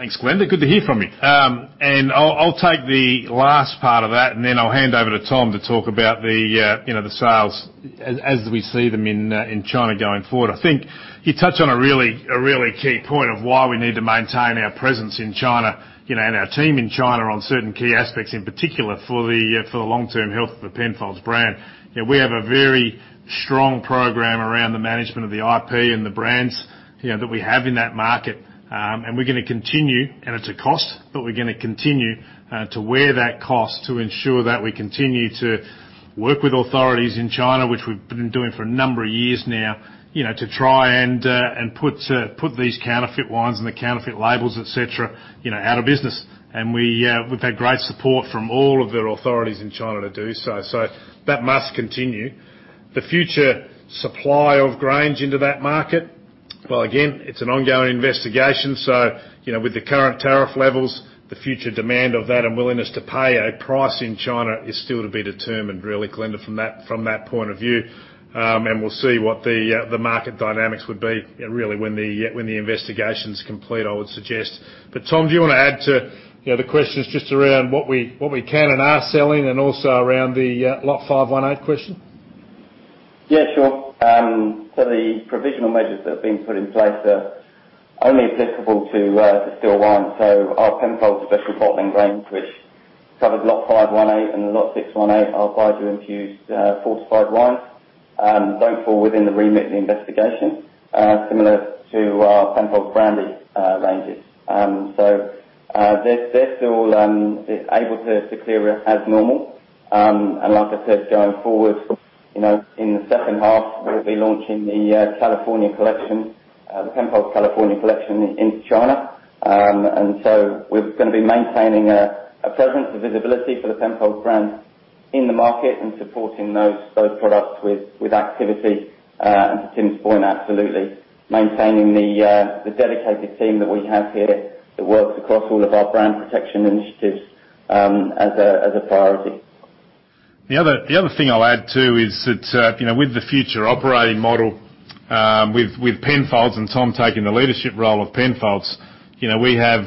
Thanks, Glenda. Good to hear from you. And I'll take the last part of that, and then I'll hand over to Tom to talk about the sales as we see them in China going forward. I think you touched on a really key point of why we need to maintain our presence in China and our team in China on certain key aspects, in particular for the long-term health of the Penfolds brand. We have a very strong program around the management of the IP and the brands that we have in that market, and we're going to continue, and it's a cost, but we're going to continue to wear that cost to ensure that we continue to work with authorities in China, which we've been doing for a number of years now, to try and put these counterfeit wines and the counterfeit labels, etc., out of business. And we've had great support from all of the authorities in China to do so. So that must continue. The future supply of Grange into that market, well, again, it's an ongoing investigation. So with the current tariff levels, the future demand of that and willingness to pay a price in China is still to be determined, really, Glenda, from that point of view. We'll see what the market dynamics would be really when the investigation's complete, I would suggest. But Tom, do you want to add to the questions just around what we can and are selling and also around the Lot. 518 question? Yeah, sure. So the provisional measures that have been put in place are only applicable to bottled wines. So our Penfolds Special Bottling Range, which covers Lot. 518 and Lot. 618, are Baijiu-infused fortified wines. Don't fall within the remit of the investigation, similar to Penfolds branded ranges. So they're still able to clear as normal. And like I said, going forward in the second half, we'll be launching the California Collection, the Penfolds California Collection into China. And so we're going to be maintaining a presence, a visibility for the Penfolds brand in the market and supporting those products with activity. And to Tim's point, absolutely maintaining the dedicated team that we have here that works across all of our brand protection initiatives as a priority. The other thing I'll add too is that with the future operating model with Penfolds and Tom taking the leadership role of Penfolds, we have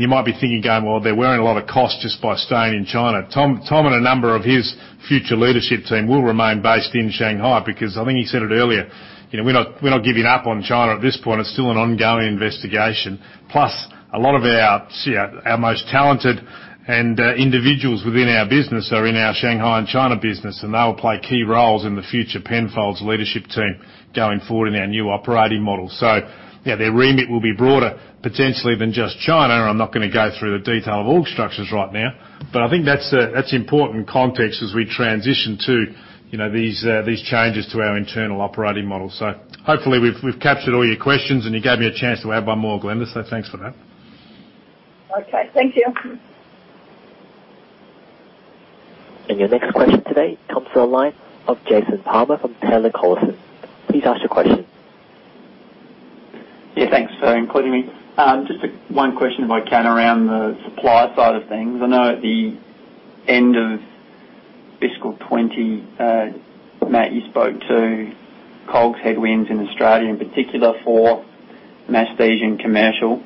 you might be thinking going, "Well, they're wearing a lot of cost just by staying in China." Tom and a number of his future leadership team will remain based in Shanghai because I think he said it earlier, we're not giving up on China at this point. It's still an ongoing investigation. Plus, a lot of our most talented individuals within our business are in our Shanghai and China business, and they will play key roles in the future Penfolds leadership team going forward in our new operating model. So yeah, their remit will be broader potentially than just China. I'm not going to go through the detail of org structures right now, but I think that's important context as we transition to these changes to our internal operating model. So hopefully we've captured all your questions, and you gave me a chance to add one more, Glenda. So thanks for that. Okay. Thank you. And your next question today from Jason Palmer from Taylor Collison. Please ask your question. Yeah. Thanks for including me. Just one question if I can around the supply side of things. I know at the end of fiscal 2020, Matt, you spoke to COGS headwinds in Australia in particular for masstige commercial.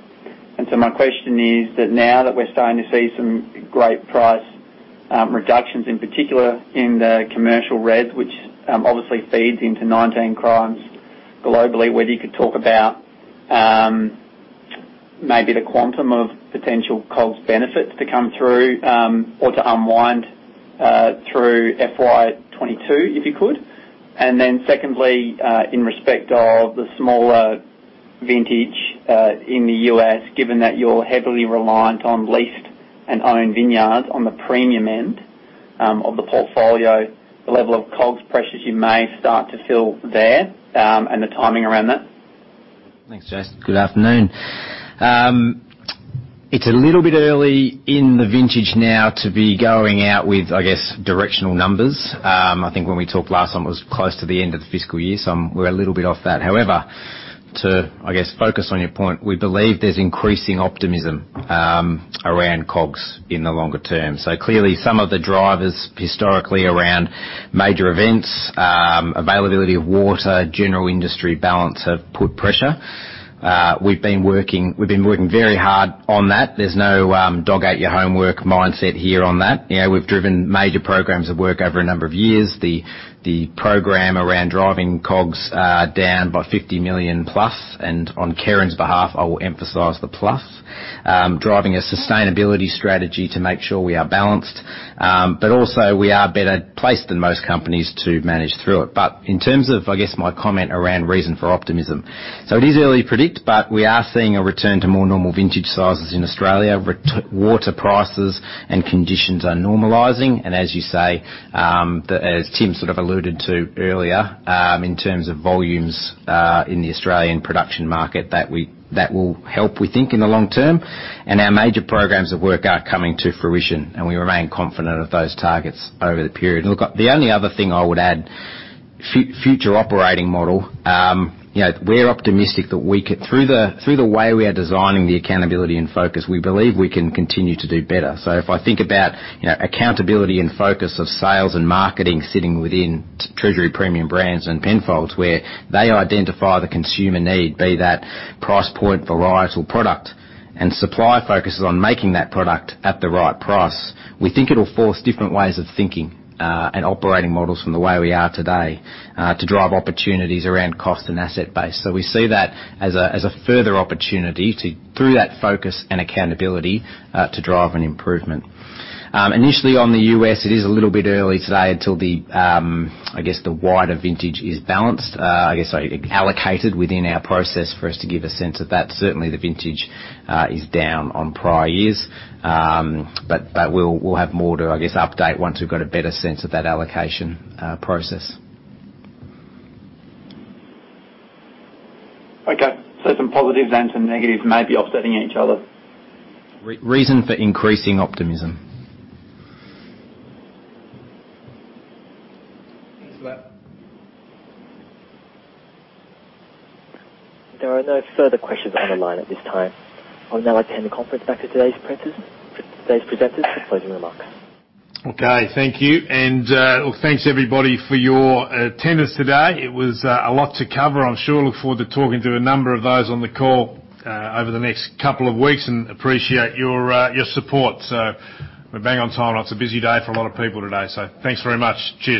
And so my question is that now that we're starting to see some great price reductions, in particular in the commercial red, which obviously feeds into 19 Crimes globally, whether you could talk about maybe the quantum of potential COGS benefits to come through or to unwind through FY 2022 if you could. And then secondly, in respect of the smaller vintage in the U.S., given that you're heavily reliant on leased and owned vineyards on the premium end of the portfolio, the level of COGS pressures you may start to feel there and the timing around that. Thanks, Jason. Good afternoon. It's a little bit early in the vintage now to be going out with, I guess, directional numbers. I think when we talked last time, it was close to the end of the fiscal year, so we're a little bit off that. However, to, I guess, focus on your point, we believe there's increasing optimism around COGS in the longer term, so clearly, some of the drivers historically around major events, availability of water, general industry balance have put pressure. We've been working very hard on that. There's no dog ate your homework mindset here on that. We've driven major programs of work over a number of years. The program around driving COGS down by 50 million plus, and on Kerrin's behalf, I will emphasize the plus, driving a sustainability strategy to make sure we are balanced, but also we are better placed than most companies to manage through it. But in terms of, I guess, my comment around reason for optimism, so it is early to predict, but we are seeing a return to more normal vintage sizes in Australia. Water prices and conditions are normalizing. As you say, as Tim sort of alluded to earlier, in terms of volumes in the Australian production market, that will help, we think, in the long term. Our major programs of work are coming to fruition, and we remain confident of those targets over the period. Look, the only other thing I would add, future operating model, we're optimistic that through the way we are designing the accountability and focus, we believe we can continue to do better. So if I think about accountability and focus of sales and marketing sitting within Treasury Premium Brands and Penfolds, where they identify the consumer need, be that price point, varietal product, and supply focuses on making that product at the right price, we think it'll force different ways of thinking and operating models from the way we are today to drive opportunities around cost and asset base. So we see that as a further opportunity through that focus and accountability to drive an improvement. Initially on the U.S., it is a little bit early today until, I guess, the wider vintage is balanced, I guess allocated within our process for us to give a sense of that. Certainly, the vintage is down on prior years, but we'll have more to, I guess, update once we've got a better sense of that allocation process. Okay. So some positives and some negatives may be offsetting each other. Reason for increasing optimism. Thanks for that. There are no further questions on the line at this time. I'll now extend the conference back to today's presenters for closing remarks. Okay. Thank you. And thanks, everybody, for your attendance today. It was a lot to cover, I'm sure. Look forward to talking to a number of those on the call over the next couple of weeks and appreciate your support. So we're bang on time. It's a busy day for a lot of people today. So thanks very much. Cheers.